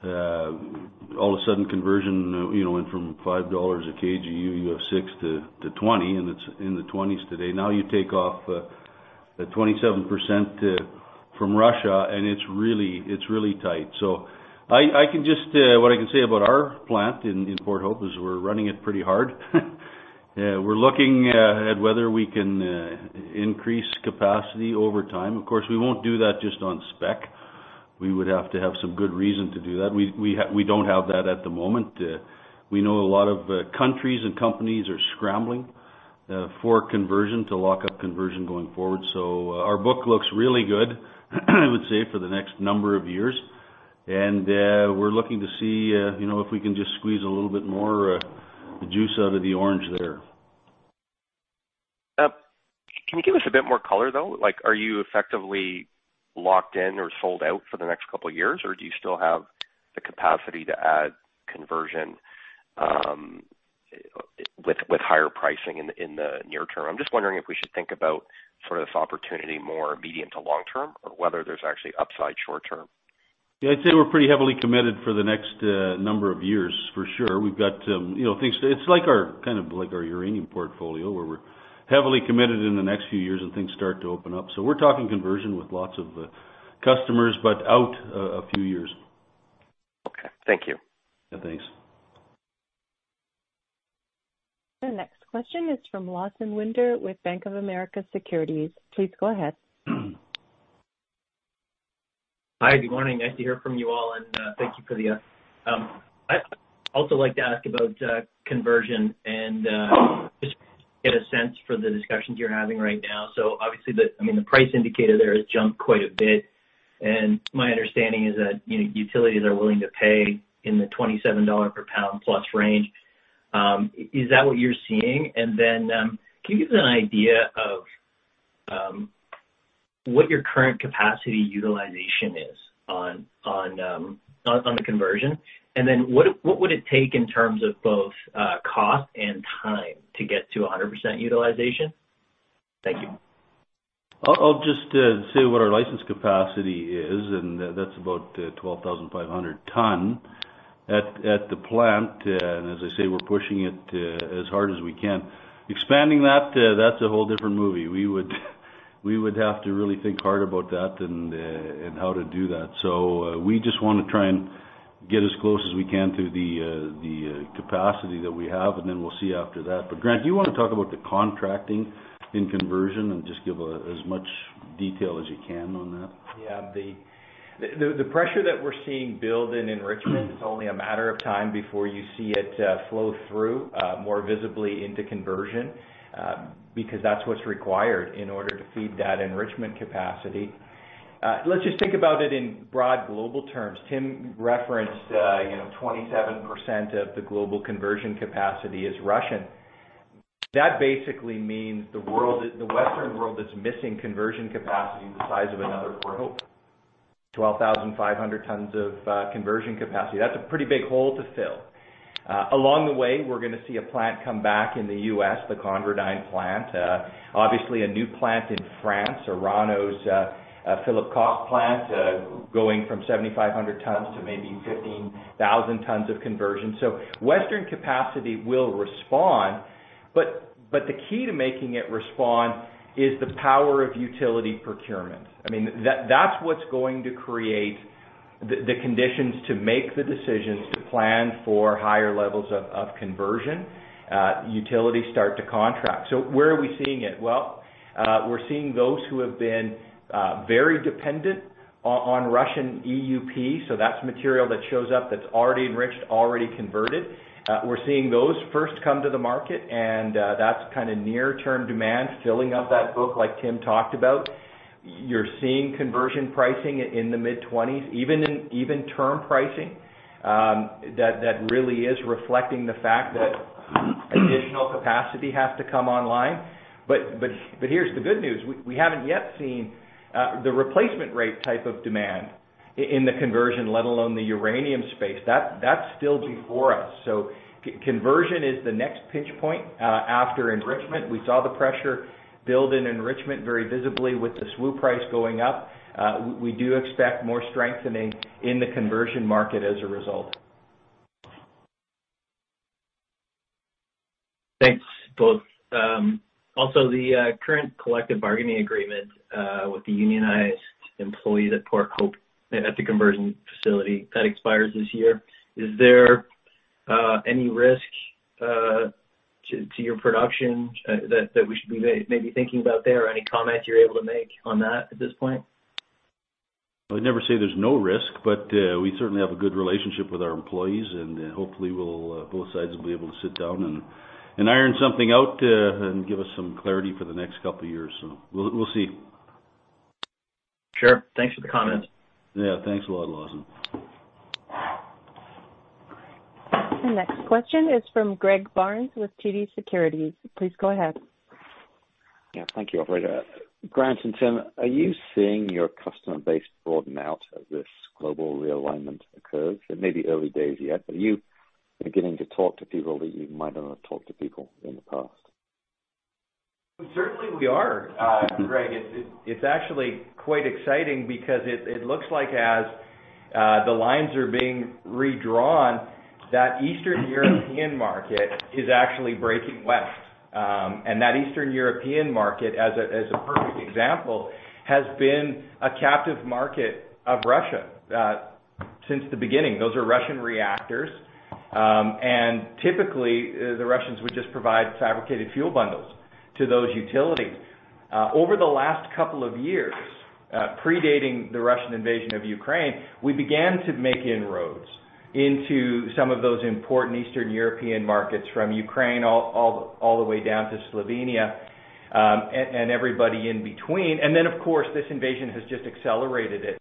all of a sudden conversion, you know, went from $5 a KGU, UF6 to $20, and it's in the $20s today. Now you take off the 27% from Russia, and it's really tight. I can just what I can say about our plant in Port Hope is we're running it pretty hard. We're looking at whether we can increase capacity over time. Of course, we won't do that just on spec. We would have to have some good reason to do that. We don't have that at the moment. We know a lot of countries and companies are scrambling for conversion to lock up conversion going forward. Our book looks really good, I would say, for the next number of years. We're looking to see, you know, if we can just squeeze a little bit more, the juice out of the orange there. Can you give us a bit more color, though? Like, are you effectively locked in or sold out for the next couple of years, or do you still have the capacity to add conversion with higher pricing in the near term? I'm just wondering if we should think about sort of this opportunity more medium to long term or whether there's actually upside short term. Yeah, I'd say we're pretty heavily committed for the next number of years, for sure. We've got you know things. It's like our kind of like our uranium portfolio, where we're heavily committed in the next few years and things start to open up. We're talking conversion with lots of customers, but out a few years. Okay. Thank you. Yeah. Thanks. The next question is from Lawson Winder with Bank of America Securities. Please go ahead. Hi. Good morning. Nice to hear from you all, and thank you for the... I'd also like to ask about conversion and just get a sense for the discussions you're having right now. Obviously the, I mean, the price indicator there has jumped quite a bit, and my understanding is that, you know, utilities are willing to pay in the $27 per pound plus range. Is that what you're seeing? And then, can you give an idea of what your current capacity utilization is on the conversion? And then what would it take in terms of both, cost and time to get to 100% utilization? Thank you. I'll just say what our licensed capacity is, and that's about 12,500 tons at the plant. As I say, we're pushing it as hard as we can. Expanding that's a whole different movie. We would have to really think hard about that and how to do that. We just wanna try and get as close as we can to the capacity that we have, and then we'll see after that. Grant, do you wanna talk about the contracting and conversion and just give as much detail as you can on that? Yeah. The pressure that we're seeing build in enrichment is only a matter of time before you see it flow through more visibly into conversion, because that's what's required in order to feed that enrichment capacity. Let's just think about it in broad global terms. Tim referenced, you know, 27% of the global conversion capacity is Russian. That basically means the world, the Western world is missing conversion capacity the size of another Port Hope. 12,500 tons of conversion capacity. That's a pretty big hole to fill. Along the way, we're gonna see a plant come back in the US, the ConverDyn plant. Obviously a new plant in France, Orano's Pierrelatte plant, going from 7,500 tons to maybe 15,000 tons of conversion. Western capacity will respond, but the key to making it respond is the power of utility procurement. I mean, that's what's going to create the conditions to make the decisions to plan for higher levels of conversion. Utilities start to contract. Where are we seeing it? We're seeing those who have been very dependent on Russian EUP. That's material that shows up that's already enriched, already converted. We're seeing those first come to the market, and that's kinda near term demand filling up that book like Tim talked about. You're seeing conversion pricing in the mid-20s, even in term pricing, that really is reflecting the fact that additional capacity has to come online. But here's the good news. We haven't yet seen the replacement rate type of demand in the conversion, let alone the uranium space. That's still before us. Conversion is the next pinch point after enrichment. We saw the pressure build in enrichment very visibly with the SWU price going up. We do expect more strengthening in the conversion market as a result. Thanks, both. Also, the current collective bargaining agreement with the unionized employees at Port Hope at the conversion facility that expires this year, is there any risk to your production that we should be maybe thinking about there? Any comments you're able to make on that at this point? I'd never say there's no risk, but we certainly have a good relationship with our employees, and hopefully both sides will be able to sit down and iron something out, and give us some clarity for the next couple of years. We'll see. Sure. Thanks for the comment. Yeah. Thanks a lot, Lawson. The next question is from Greg Barnes with TD Securities. Please go ahead. Yeah. Thank you, operator. Grant and Tim, are you seeing your customer base broaden out as this global realignment occurs? It may be early days yet, but are you beginning to talk to people that you might not have talked to in the past? Certainly we are, Greg. It's actually quite exciting because it looks like, as the lines are being redrawn, that Eastern European market is actually breaking west. That Eastern European market, as a perfect example, has been a captive market of Russia, since the beginning. Those are Russian reactors, and typically, the Russians would just provide fabricated fuel bundles to those utilities. Over the last couple of years, predating the Russian invasion of Ukraine, we began to make inroads into some of those important Eastern European markets from Ukraine all the way down to Slovenia, and everybody in between. Of course, this invasion has just accelerated it.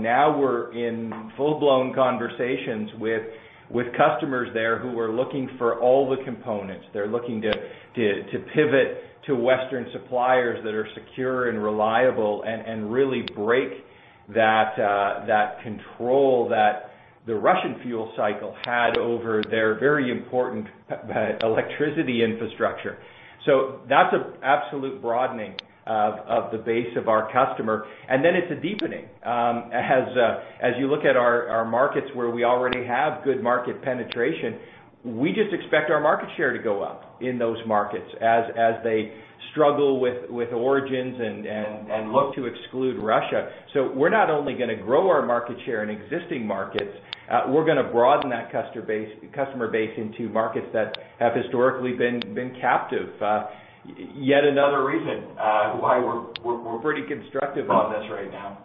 Now we're in full-blown conversations with customers there who are looking for all the components. They're looking to pivot to Western suppliers that are secure and reliable and really break that control that the Russian fuel cycle had over their very important electricity infrastructure. That's an absolute broadening of the base of our customer. It's a deepening. As you look at our markets where we already have good market penetration, we just expect our market share to go up in those markets as they struggle with origins and look to exclude Russia. We're not only gonna grow our market share in existing markets, we're gonna broaden that customer base into markets that have historically been captive. Yet another reason why we're pretty constructive on this right now.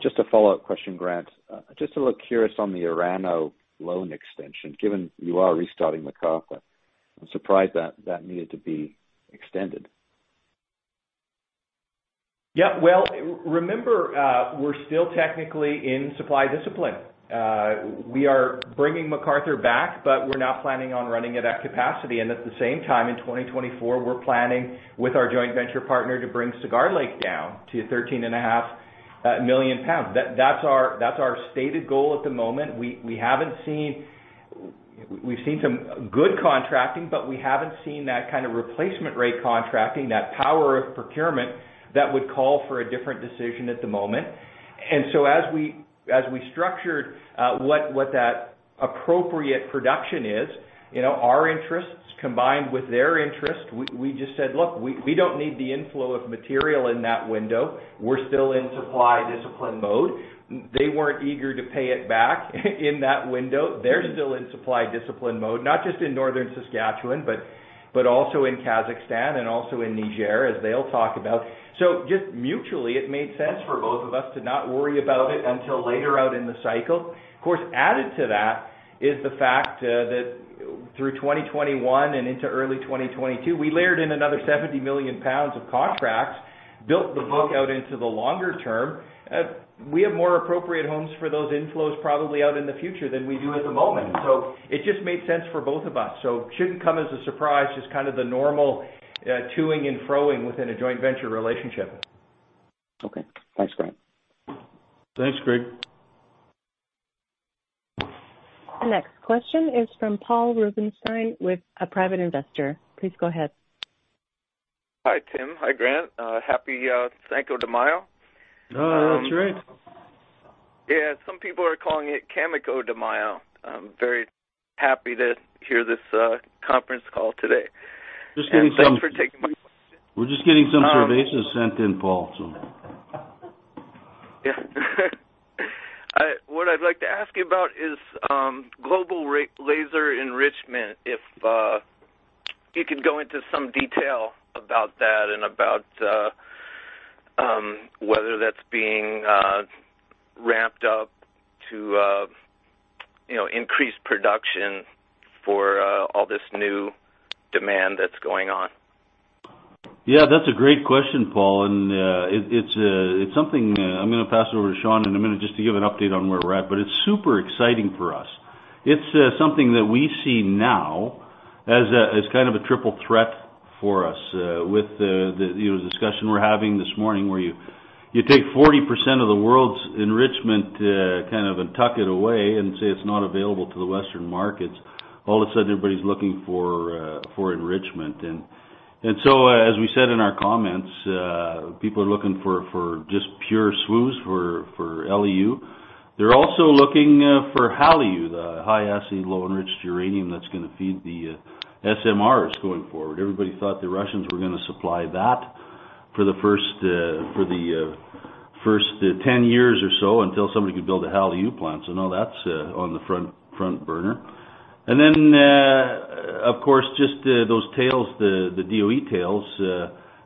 Just a follow-up question, Grant. Just a little curious on the Orano loan extension, given you are restarting McArthur. I'm surprised that needed to be extended. Yeah. Well, remember, we're still technically in supply discipline. We are bringing MacArthur back, but we're not planning on running it at capacity. At the same time, in 2024, we're planning with our joint venture partner to bring Cigar Lake down to 13.5 million pounds. That's our stated goal at the moment. We've seen some good contracting, but we haven't seen that kind of replacement rate contracting, that power of procurement that would call for a different decision at the moment. As we structured what that appropriate production is, you know, our interests combined with their interest, we just said, "Look, we don't need the inflow of material in that window. We're still in supply discipline mode." They weren't eager to pay it back in that window. They're still in supply discipline mode, not just in Northern Saskatchewan, but also in Kazakhstan and also in Niger, as they'll talk about. Just mutually, it made sense for both of us to not worry about it until later out in the cycle. Of course, added to that is the fact that through 2021 and into early 2022, we layered in another 70 million pounds of contracts, built the book out into the longer term. We have more appropriate homes for those inflows probably out in the future than we do at the moment. It just made sense for both of us. Shouldn't come as a surprise, just kind of the normal to-ing-and-fro-ing within a joint venture relationship. Okay. Thanks, Grant. Thanks, Greg. The next question is from Paul Rosenstein with a private investor. Please go ahead. Hi, Tim. Hi, Grant. Happy Cinco de Mayo. Oh, that's right. Yeah. Some people are calling it Cameco de Mayo. I'm very happy to hear this conference call today. Just getting some- Thanks for taking my question. We're just getting some cervezas sent in, Paul, so. Yeah. What I'd like to ask you about is Global Laser Enrichment, if you could go into some detail about that and about whether that's being ramped up to, you know, increase production for all this new demand that's going on. Yeah, that's a great question, Paul. It's something I'm gonna pass over to Sean in a minute just to give an update on where we're at, but it's super exciting for us. It's something that we see now as kind of a triple threat for us, with the discussion we're having this morning where you take 40% of the world's enrichment kind of and tuck it away and say it's not available to the Western markets. All of a sudden everybody's looking for enrichment. So, as we said in our comments, people are looking for just pure SWUs for LEU. They're also looking for HALEU, the high-assay low-enriched uranium that's gonna feed the SMRs going forward. Everybody thought the Russians were gonna supply that for the first 10 years or so until somebody could build a HALEU plant. Now that's on the front burner. Then, of course, just those tails, the DOE tails,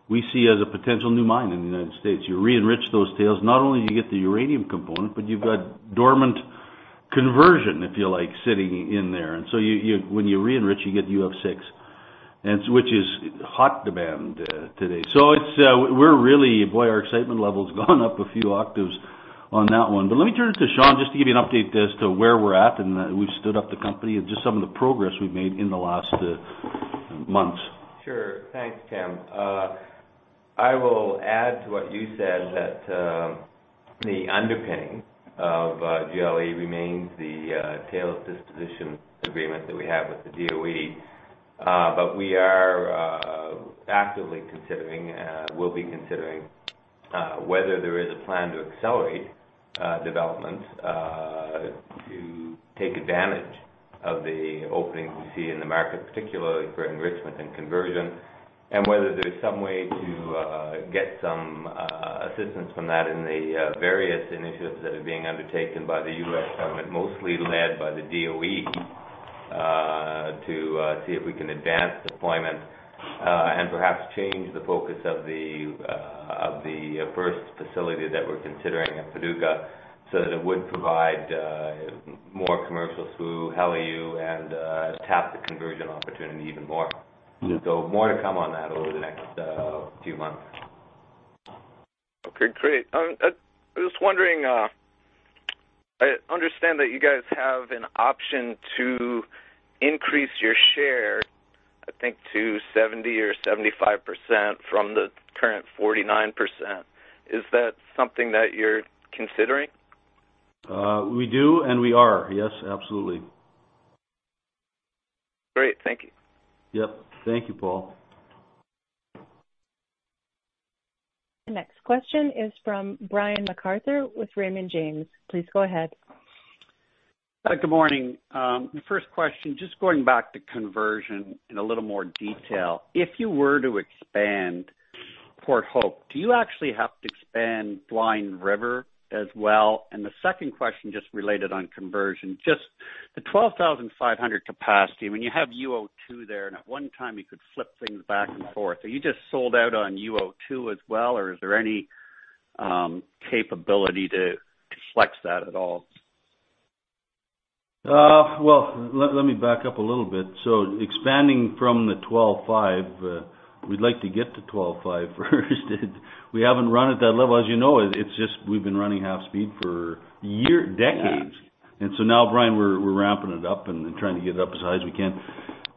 we see as a potential new mine in the United States. You re-enrich those tails, not only do you get the uranium component, but you've got dormant conversion, if you like, sitting in there. When you re-enrich, you get UF6, which is in hot demand today. It's. We're really. Boy, our excitement level's gone up a few octaves on that one. Let me turn it to Sean just to give you an update as to where we're at, and we've stood up the company and just some of the progress we've made in the last months. Sure. Thanks, Tim. I will add to what you said that the underpinning of GLE remains the tail disposition agreement that we have with the DOE. But we are actively considering and will be considering whether there is a plan to accelerate development to take advantage of the openings we see in the market, particularly for enrichment and conversion, and whether there's some way to get some assistance from that in the various initiatives that are being undertaken by the U.S. government, mostly led by the DOE, to see if we can advance deployment and perhaps change the focus of the first facility that we're considering at Paducah so that it would provide more commercial SWU, HALEU and tap the conversion opportunity even more. Mm-hmm. More to come on that over the next few months. Okay, great. I was just wondering, I understand that you guys have an option to increase your share, I think, to 70 or 75% from the current 49%. Is that something that you're considering? We do and we are. Yes, absolutely. Great. Thank you. Yep. Thank you, Paul. The next question is from Brian MacArthur with Raymond James. Please go ahead. Good morning. The first question, just going back to conversion in a little more detail. If you were to expand Port Hope, do you actually have to expand Blind River as well? The second question just related on conversion, just the 12,500 capacity when you have UO2 there, and at one time you could flip things back and forth. Are you just sold out on UO2 as well or is there any capability to flex that at all? Let me back up a little bit. Expanding from the 12.5, we'd like to get to 12.5 first. We haven't run at that level. As you know, it's just we've been running half speed for years, decades. Yeah. Now, Brian, we're ramping it up and trying to get it up as high as we can.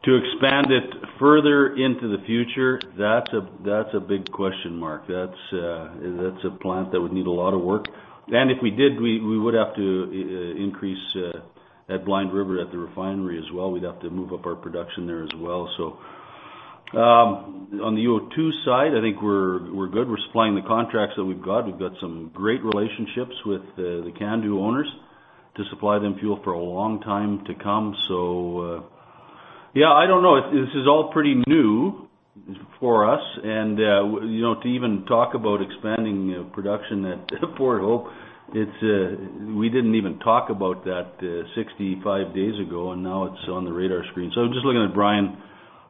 To expand it further into the future, that's a big question mark. That's a plant that would need a lot of work. If we did, we would have to increase at Blind River at the refinery as well. We'd have to move up our production there as well. On the UO2 side, I think we're good. We're supplying the contracts that we've got. We've got some great relationships with the CANDU owners to supply them fuel for a long time to come. Yeah, I don't know. This is all pretty new for us. You know, to even talk about expanding production at Port Hope, it's We didn't even talk about that, 65 days ago, and now it's on the radar screen. I'm just looking at Brian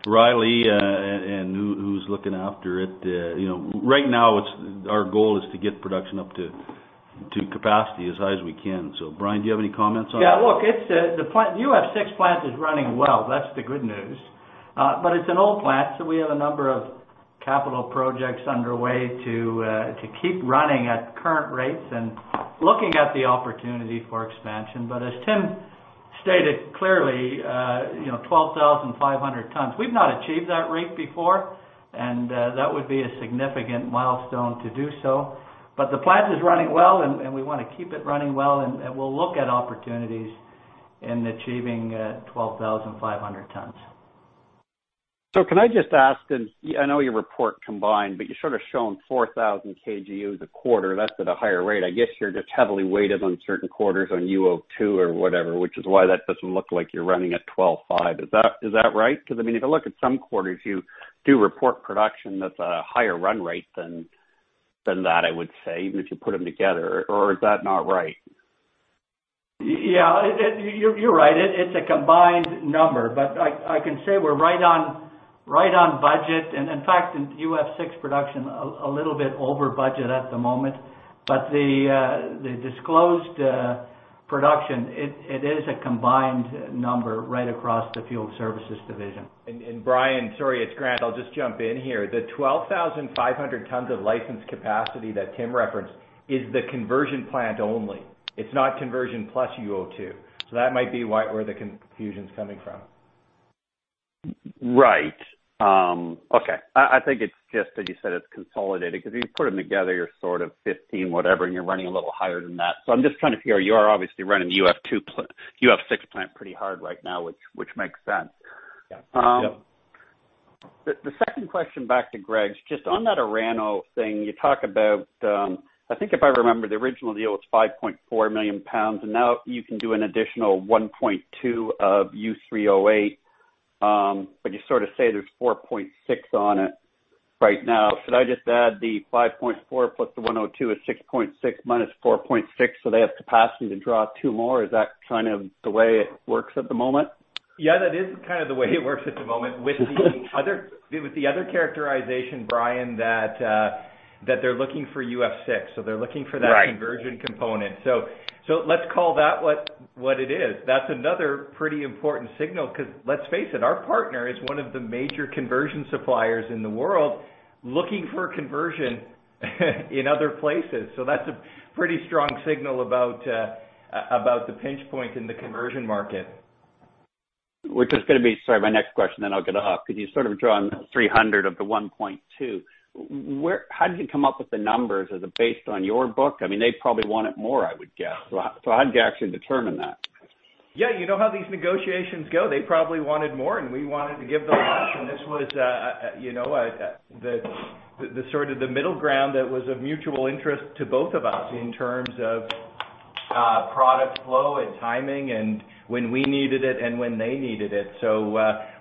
Reilly, and who's looking after it. You know, right now it's our goal is to get production up to capacity as high as we can. Brian, do you have any comments on that? Yeah. Look, it's the UF6 plant is running well. That's the good news. But it's an old plant, so we have a number of capital projects underway to keep running at current rates and looking at the opportunity for expansion. As Tim stated clearly, you know, 12,500 tons, we've not achieved that rate before, and that would be a significant milestone to do so. The plant is running well and we wanna keep it running well and we'll look at opportunities in achieving 12,500 tons. Can I just ask, and I know you report combined, but you're sort of shown 4,000 KGU the quarter, that's at a higher rate. I guess you're just heavily weighted on certain quarters on UO2 or whatever, which is why that doesn't look like you're running at 12.5. Is that right? 'Cause, I mean, if I look at some quarters, you do report production that's a higher run rate than that, I would say, even if you put them together. Or is that not right? Yeah. You're right. It's a combined number. I can say we're right on budget, and in fact, in UF6 production a little bit over budget at the moment. The disclosed production, it is a combined number right across the fuel services division. Brian, sorry, it's Grant. I'll just jump in here. The 12,500 tons of licensed capacity that Tim referenced is the conversion plant only. It's not conversion plus UO2. That might be why the confusion is coming from. Right. Okay. I think it's just that you said it's consolidated because you put them together, you're sort of 15 whatever, and you're running a little higher than that. I'm just trying to hear. You are obviously running the UF6 plant pretty hard right now, which makes sense. Yeah. The second question back to Greg is just on that Orano thing you talk about. I think if I remember, the original deal was 5.4 million pounds, and now you can do an additional 1.2 of U3O8. But you sort of say there's 4.6 on it right now. Should I just add the 5.4 plus the 1.2 is 6.6 minus 4.6, so they have capacity to draw 2 more? Is that kind of the way it works at the moment? Yeah, that is kind of the way it works at the moment. With the other characterization, Brian, that they're looking for UF6. So they're looking for that. Right. -conversion component. Let's call that what it is. That's another pretty important signal 'cause let's face it, our partner is one of the major conversion suppliers in the world looking for conversion in other places. That's a pretty strong signal about the pinch point in the conversion market. Which is gonna be, sorry, my next question, then I'll get off. 'Cause you sort of drawn 300 of the 1.2. How did you come up with the numbers? Is it based on your book? I mean, they probably want it more, I would guess. How did you actually determine that? Yeah. You know how these negotiations go. They probably wanted more, and we wanted to give less. This was, you know, the sort of middle ground that was of mutual interest to both of us in terms of product flow and timing and when we needed it and when they needed it.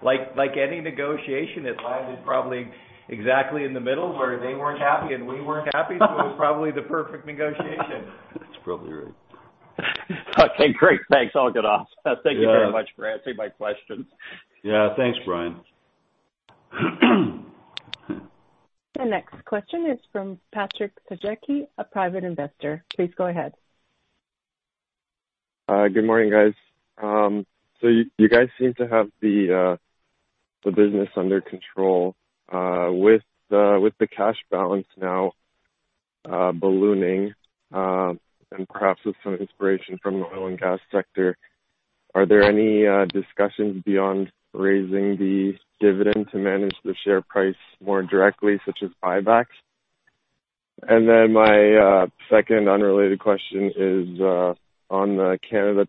Like any negotiation, it landed probably exactly in the middle where they weren't happy and we weren't happy. It was probably the perfect negotiation. That's probably right. Okay, great. Thanks. I'll get off. Thank you very much for answering my questions. Yeah. Thanks, Brian. The next question is from Patrick Paji, a private investor. Please go ahead. Good morning, guys. You guys seem to have the business under control. With the cash balance now ballooning, and perhaps with some inspiration from the oil and gas sector, are there any discussions beyond raising the dividend to manage the share price more directly, such as buybacks? My second unrelated question is on the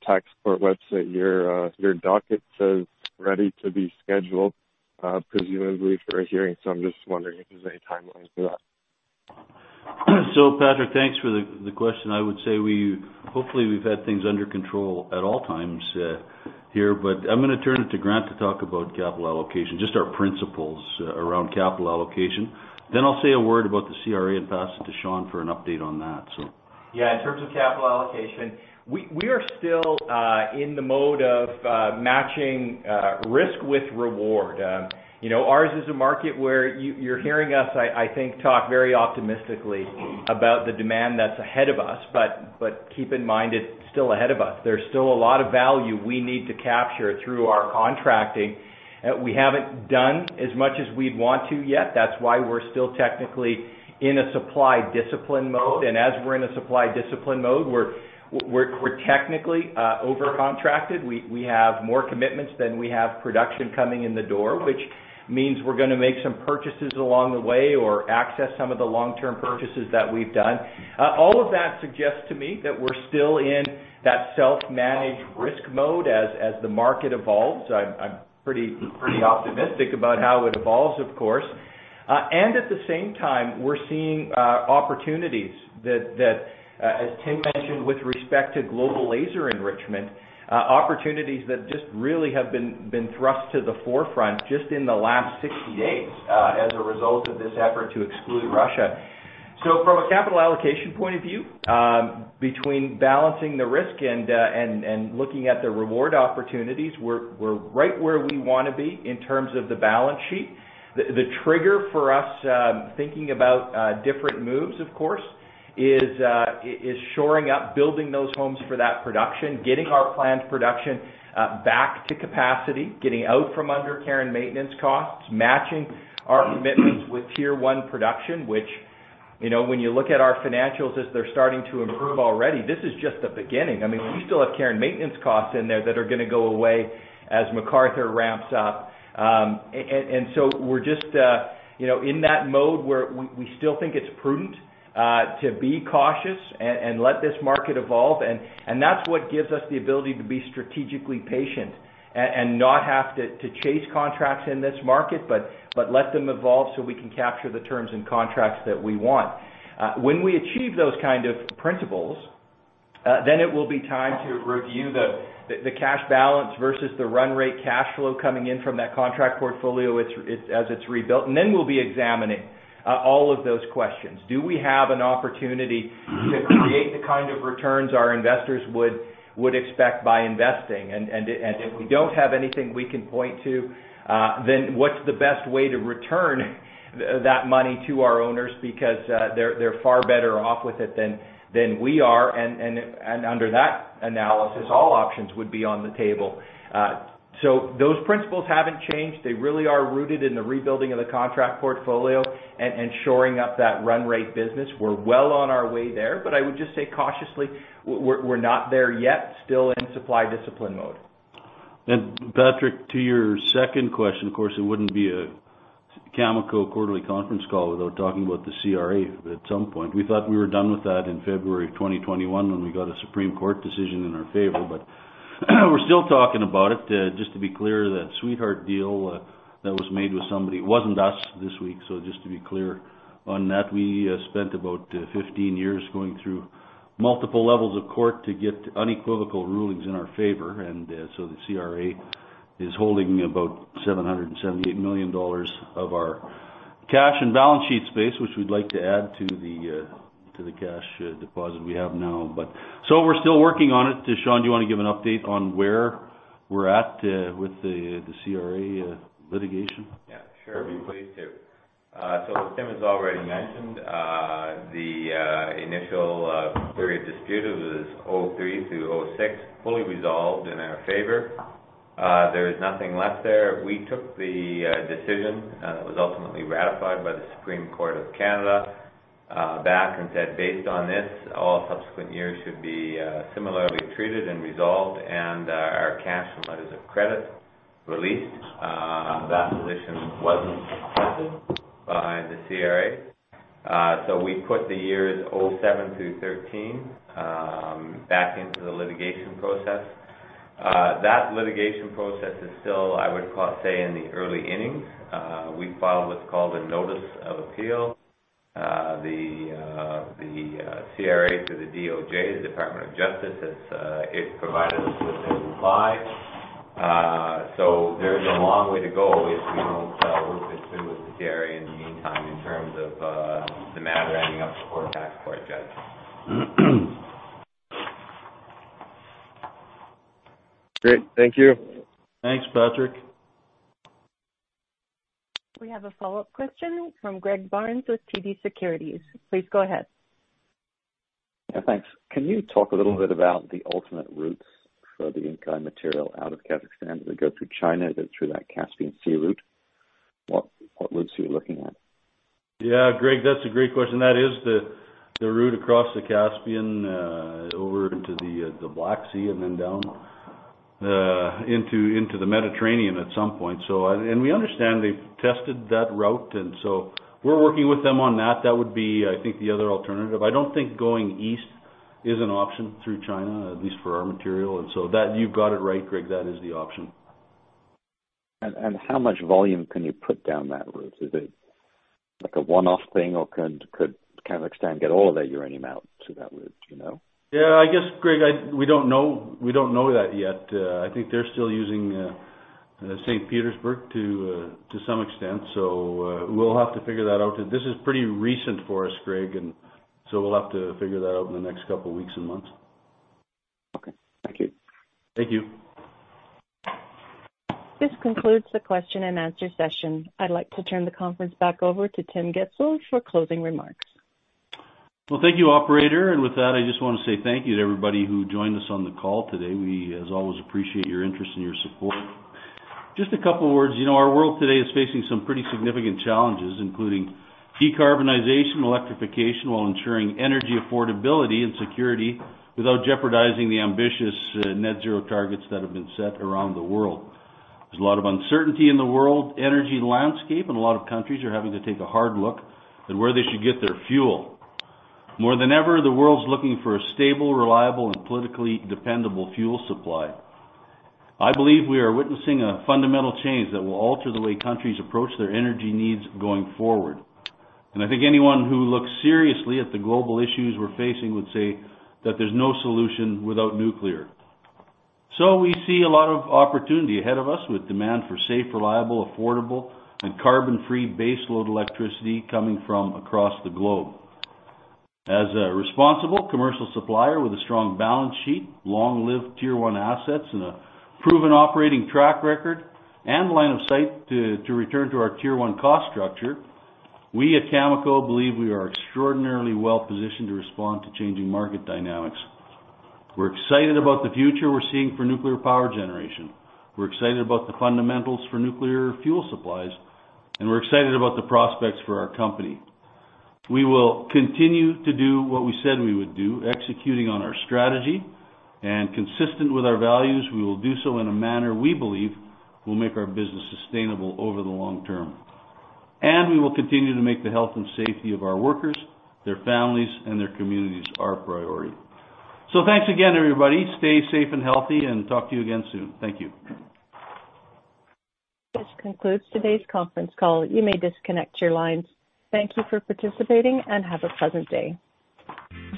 Tax Court of Canada website. Your docket says, "Ready to be scheduled," presumably for a hearing. I'm just wondering if there's any timelines for that. Patrick, thanks for the question. I would say we hopefully we've had things under control at all times here, but I'm gonna turn it to Grant to talk about capital allocation, just our principles around capital allocation. Then I'll say a word about the CRA and pass it to Sean for an update on that. Yeah, in terms of capital allocation, we are still in the mode of matching risk with reward. You know, ours is a market where you're hearing us, I think, talk very optimistically about the demand that's ahead of us. Keep in mind it's still ahead of us. There's still a lot of value we need to capture through our contracting. We haven't done as much as we'd want to yet. That's why we're still technically in a supply discipline mode. As we're in a supply discipline mode, we're technically over-contracted. We have more commitments than we have production coming in the door, which means we're gonna make some purchases along the way or access some of the long-term purchases that we've done. All of that suggests to me that we're still in that self-managed risk mode as the market evolves. I'm pretty optimistic about how it evolves, of course. At the same time, we're seeing opportunities that as Tim mentioned with respect to Global Laser Enrichment, opportunities that just really have been thrust to the forefront just in the last 60 days, as a result of this effort to exclude Russia. From a capital allocation point of view, between balancing the risk and looking at the reward opportunities, we're right where we wanna be in terms of the balance sheet. The trigger for us thinking about different moves, of course, is shoring up, building those homes for that production, getting our planned production back to capacity, getting out from under care and maintenance costs, matching our commitments with tier one production, which, you know, when you look at our financials as they're starting to improve already, this is just the beginning. I mean, we still have care and maintenance costs in there that are gonna go away as McArthur ramps up. We're just, you know, in that mode where we still think it's prudent to be cautious and let this market evolve, and that's what gives us the ability to be strategically patient and not have to chase contracts in this market, but let them evolve so we can capture the terms and contracts that we want. When we achieve those kind of principles, then it will be time to review the cash balance versus the run rate cash flow coming in from that contract portfolio it's as it's rebuilt. Then we'll be examining all of those questions. Do we have an opportunity to create the kind of returns our investors would expect by investing? If we don't have anything we can point to, then what's the best way to return that money to our owners because they're far better off with it than we are? Under that analysis, all options would be on the table. Those principles haven't changed. They really are rooted in the rebuilding of the contract portfolio and shoring up that run rate business. We're well on our way there, but I would just say cautiously we're not there yet, still in supply discipline mode. Patrick, to your second question, of course, it wouldn't be a Cameco quarterly conference call without talking about the CRA at some point. We thought we were done with that in February 2021 when we got a Supreme Court of Canada decision in our favor, but we're still talking about it. Just to be clear, that sweetheart deal that was made with somebody wasn't us this week. Just to be clear on that, we spent about 15 years going through multiple levels of court to get unequivocal rulings in our favor. The CRA is holding about 778 million dollars of our cash and balance sheet space, which we'd like to add to the cash deposit we have now, but we're still working on it. Sean, do you wanna give an update on where we're at, with the CRA litigation? Yeah, sure. I'd be pleased to. Tim has already mentioned the initial period of dispute. It was 2003 to 2006, fully resolved in our favor. There is nothing left there. We took the decision that was ultimately ratified by the Supreme Court of Canada back and said, "Based on this, all subsequent years should be similarly treated and resolved, and our cash and letters of credit released." That solution wasn't accepted by the CRA. We put the years 2007 through 2013 back into the litigation process. That litigation process is still, I would say, in the early innings. We filed what's called a notice of appeal. The CRA, through the DOJ, the Department of Justice, has provided us with a reply. There's a long way to go if we don't work this through with the CRA in the meantime in terms of the matter ending up before a Tax Court judge. Great. Thank you. Thanks, Patrick. We have a follow-up question from Greg Barnes with TD Securities. Please go ahead. Yeah, thanks. Can you talk a little bit about the alternate routes for the Inkai material out of Kazakhstan? Does it go through China, go through that Caspian Sea route? What routes are you looking at? Yeah. Greg, that's a great question. That is the route across the Caspian, over to the Black Sea and then down into the Mediterranean at some point. We understand they've tested that route and so we're working with them on that. That would be, I think, the other alternative. I don't think going east is an option through China, at least for our material. You've got it right, Greg. That is the option. how much volume can you put down that route? Is it like a one-off thing or could Kazakhstan get all of their uranium out through that route, do you know? Yeah, I guess, Greg, we don't know that yet. I think they're still using St. Petersburg to some extent. We'll have to figure that out. This is pretty recent for us, Greg, and so we'll have to figure that out in the next couple weeks and months. Okay. Thank you. Thank you. This concludes the question and answer session. I'd like to turn the conference back over to Tim Gitzel for closing remarks. Well, thank you, operator. With that, I just wanna say thank you to everybody who joined us on the call today. We, as always, appreciate your interest and your support. Just a couple words. You know, our world today is facing some pretty significant challenges, including decarbonization, electrification, while ensuring energy affordability and security without jeopardizing the ambitious net zero targets that have been set around the world. There's a lot of uncertainty in the world energy landscape, and a lot of countries are having to take a hard look at where they should get their fuel. More than ever, the world's looking for a stable, reliable, and politically dependable fuel supply. I believe we are witnessing a fundamental change that will alter the way countries approach their energy needs going forward. I think anyone who looks seriously at the global issues we're facing would say that there's no solution without nuclear. We see a lot of opportunity ahead of us with demand for safe, reliable, affordable, and carbon-free baseload electricity coming from across the globe. As a responsible commercial supplier with a strong balance sheet, long-lived tier one assets, and a proven operating track record and line of sight to return to our tier one cost structure, we at Cameco believe we are extraordinarily well-positioned to respond to changing market dynamics. We're excited about the future we're seeing for nuclear power generation. We're excited about the fundamentals for nuclear fuel supplies, and we're excited about the prospects for our company. We will continue to do what we said we would do, executing on our strategy. Consistent with our values, we will do so in a manner we believe will make our business sustainable over the long term. We will continue to make the health and safety of our workers, their families, and their communities our priority. Thanks again, everybody. Stay safe and healthy, and talk to you again soon. Thank you. This concludes today's conference call. You may disconnect your lines. Thank you for participating, and have a pleasant day.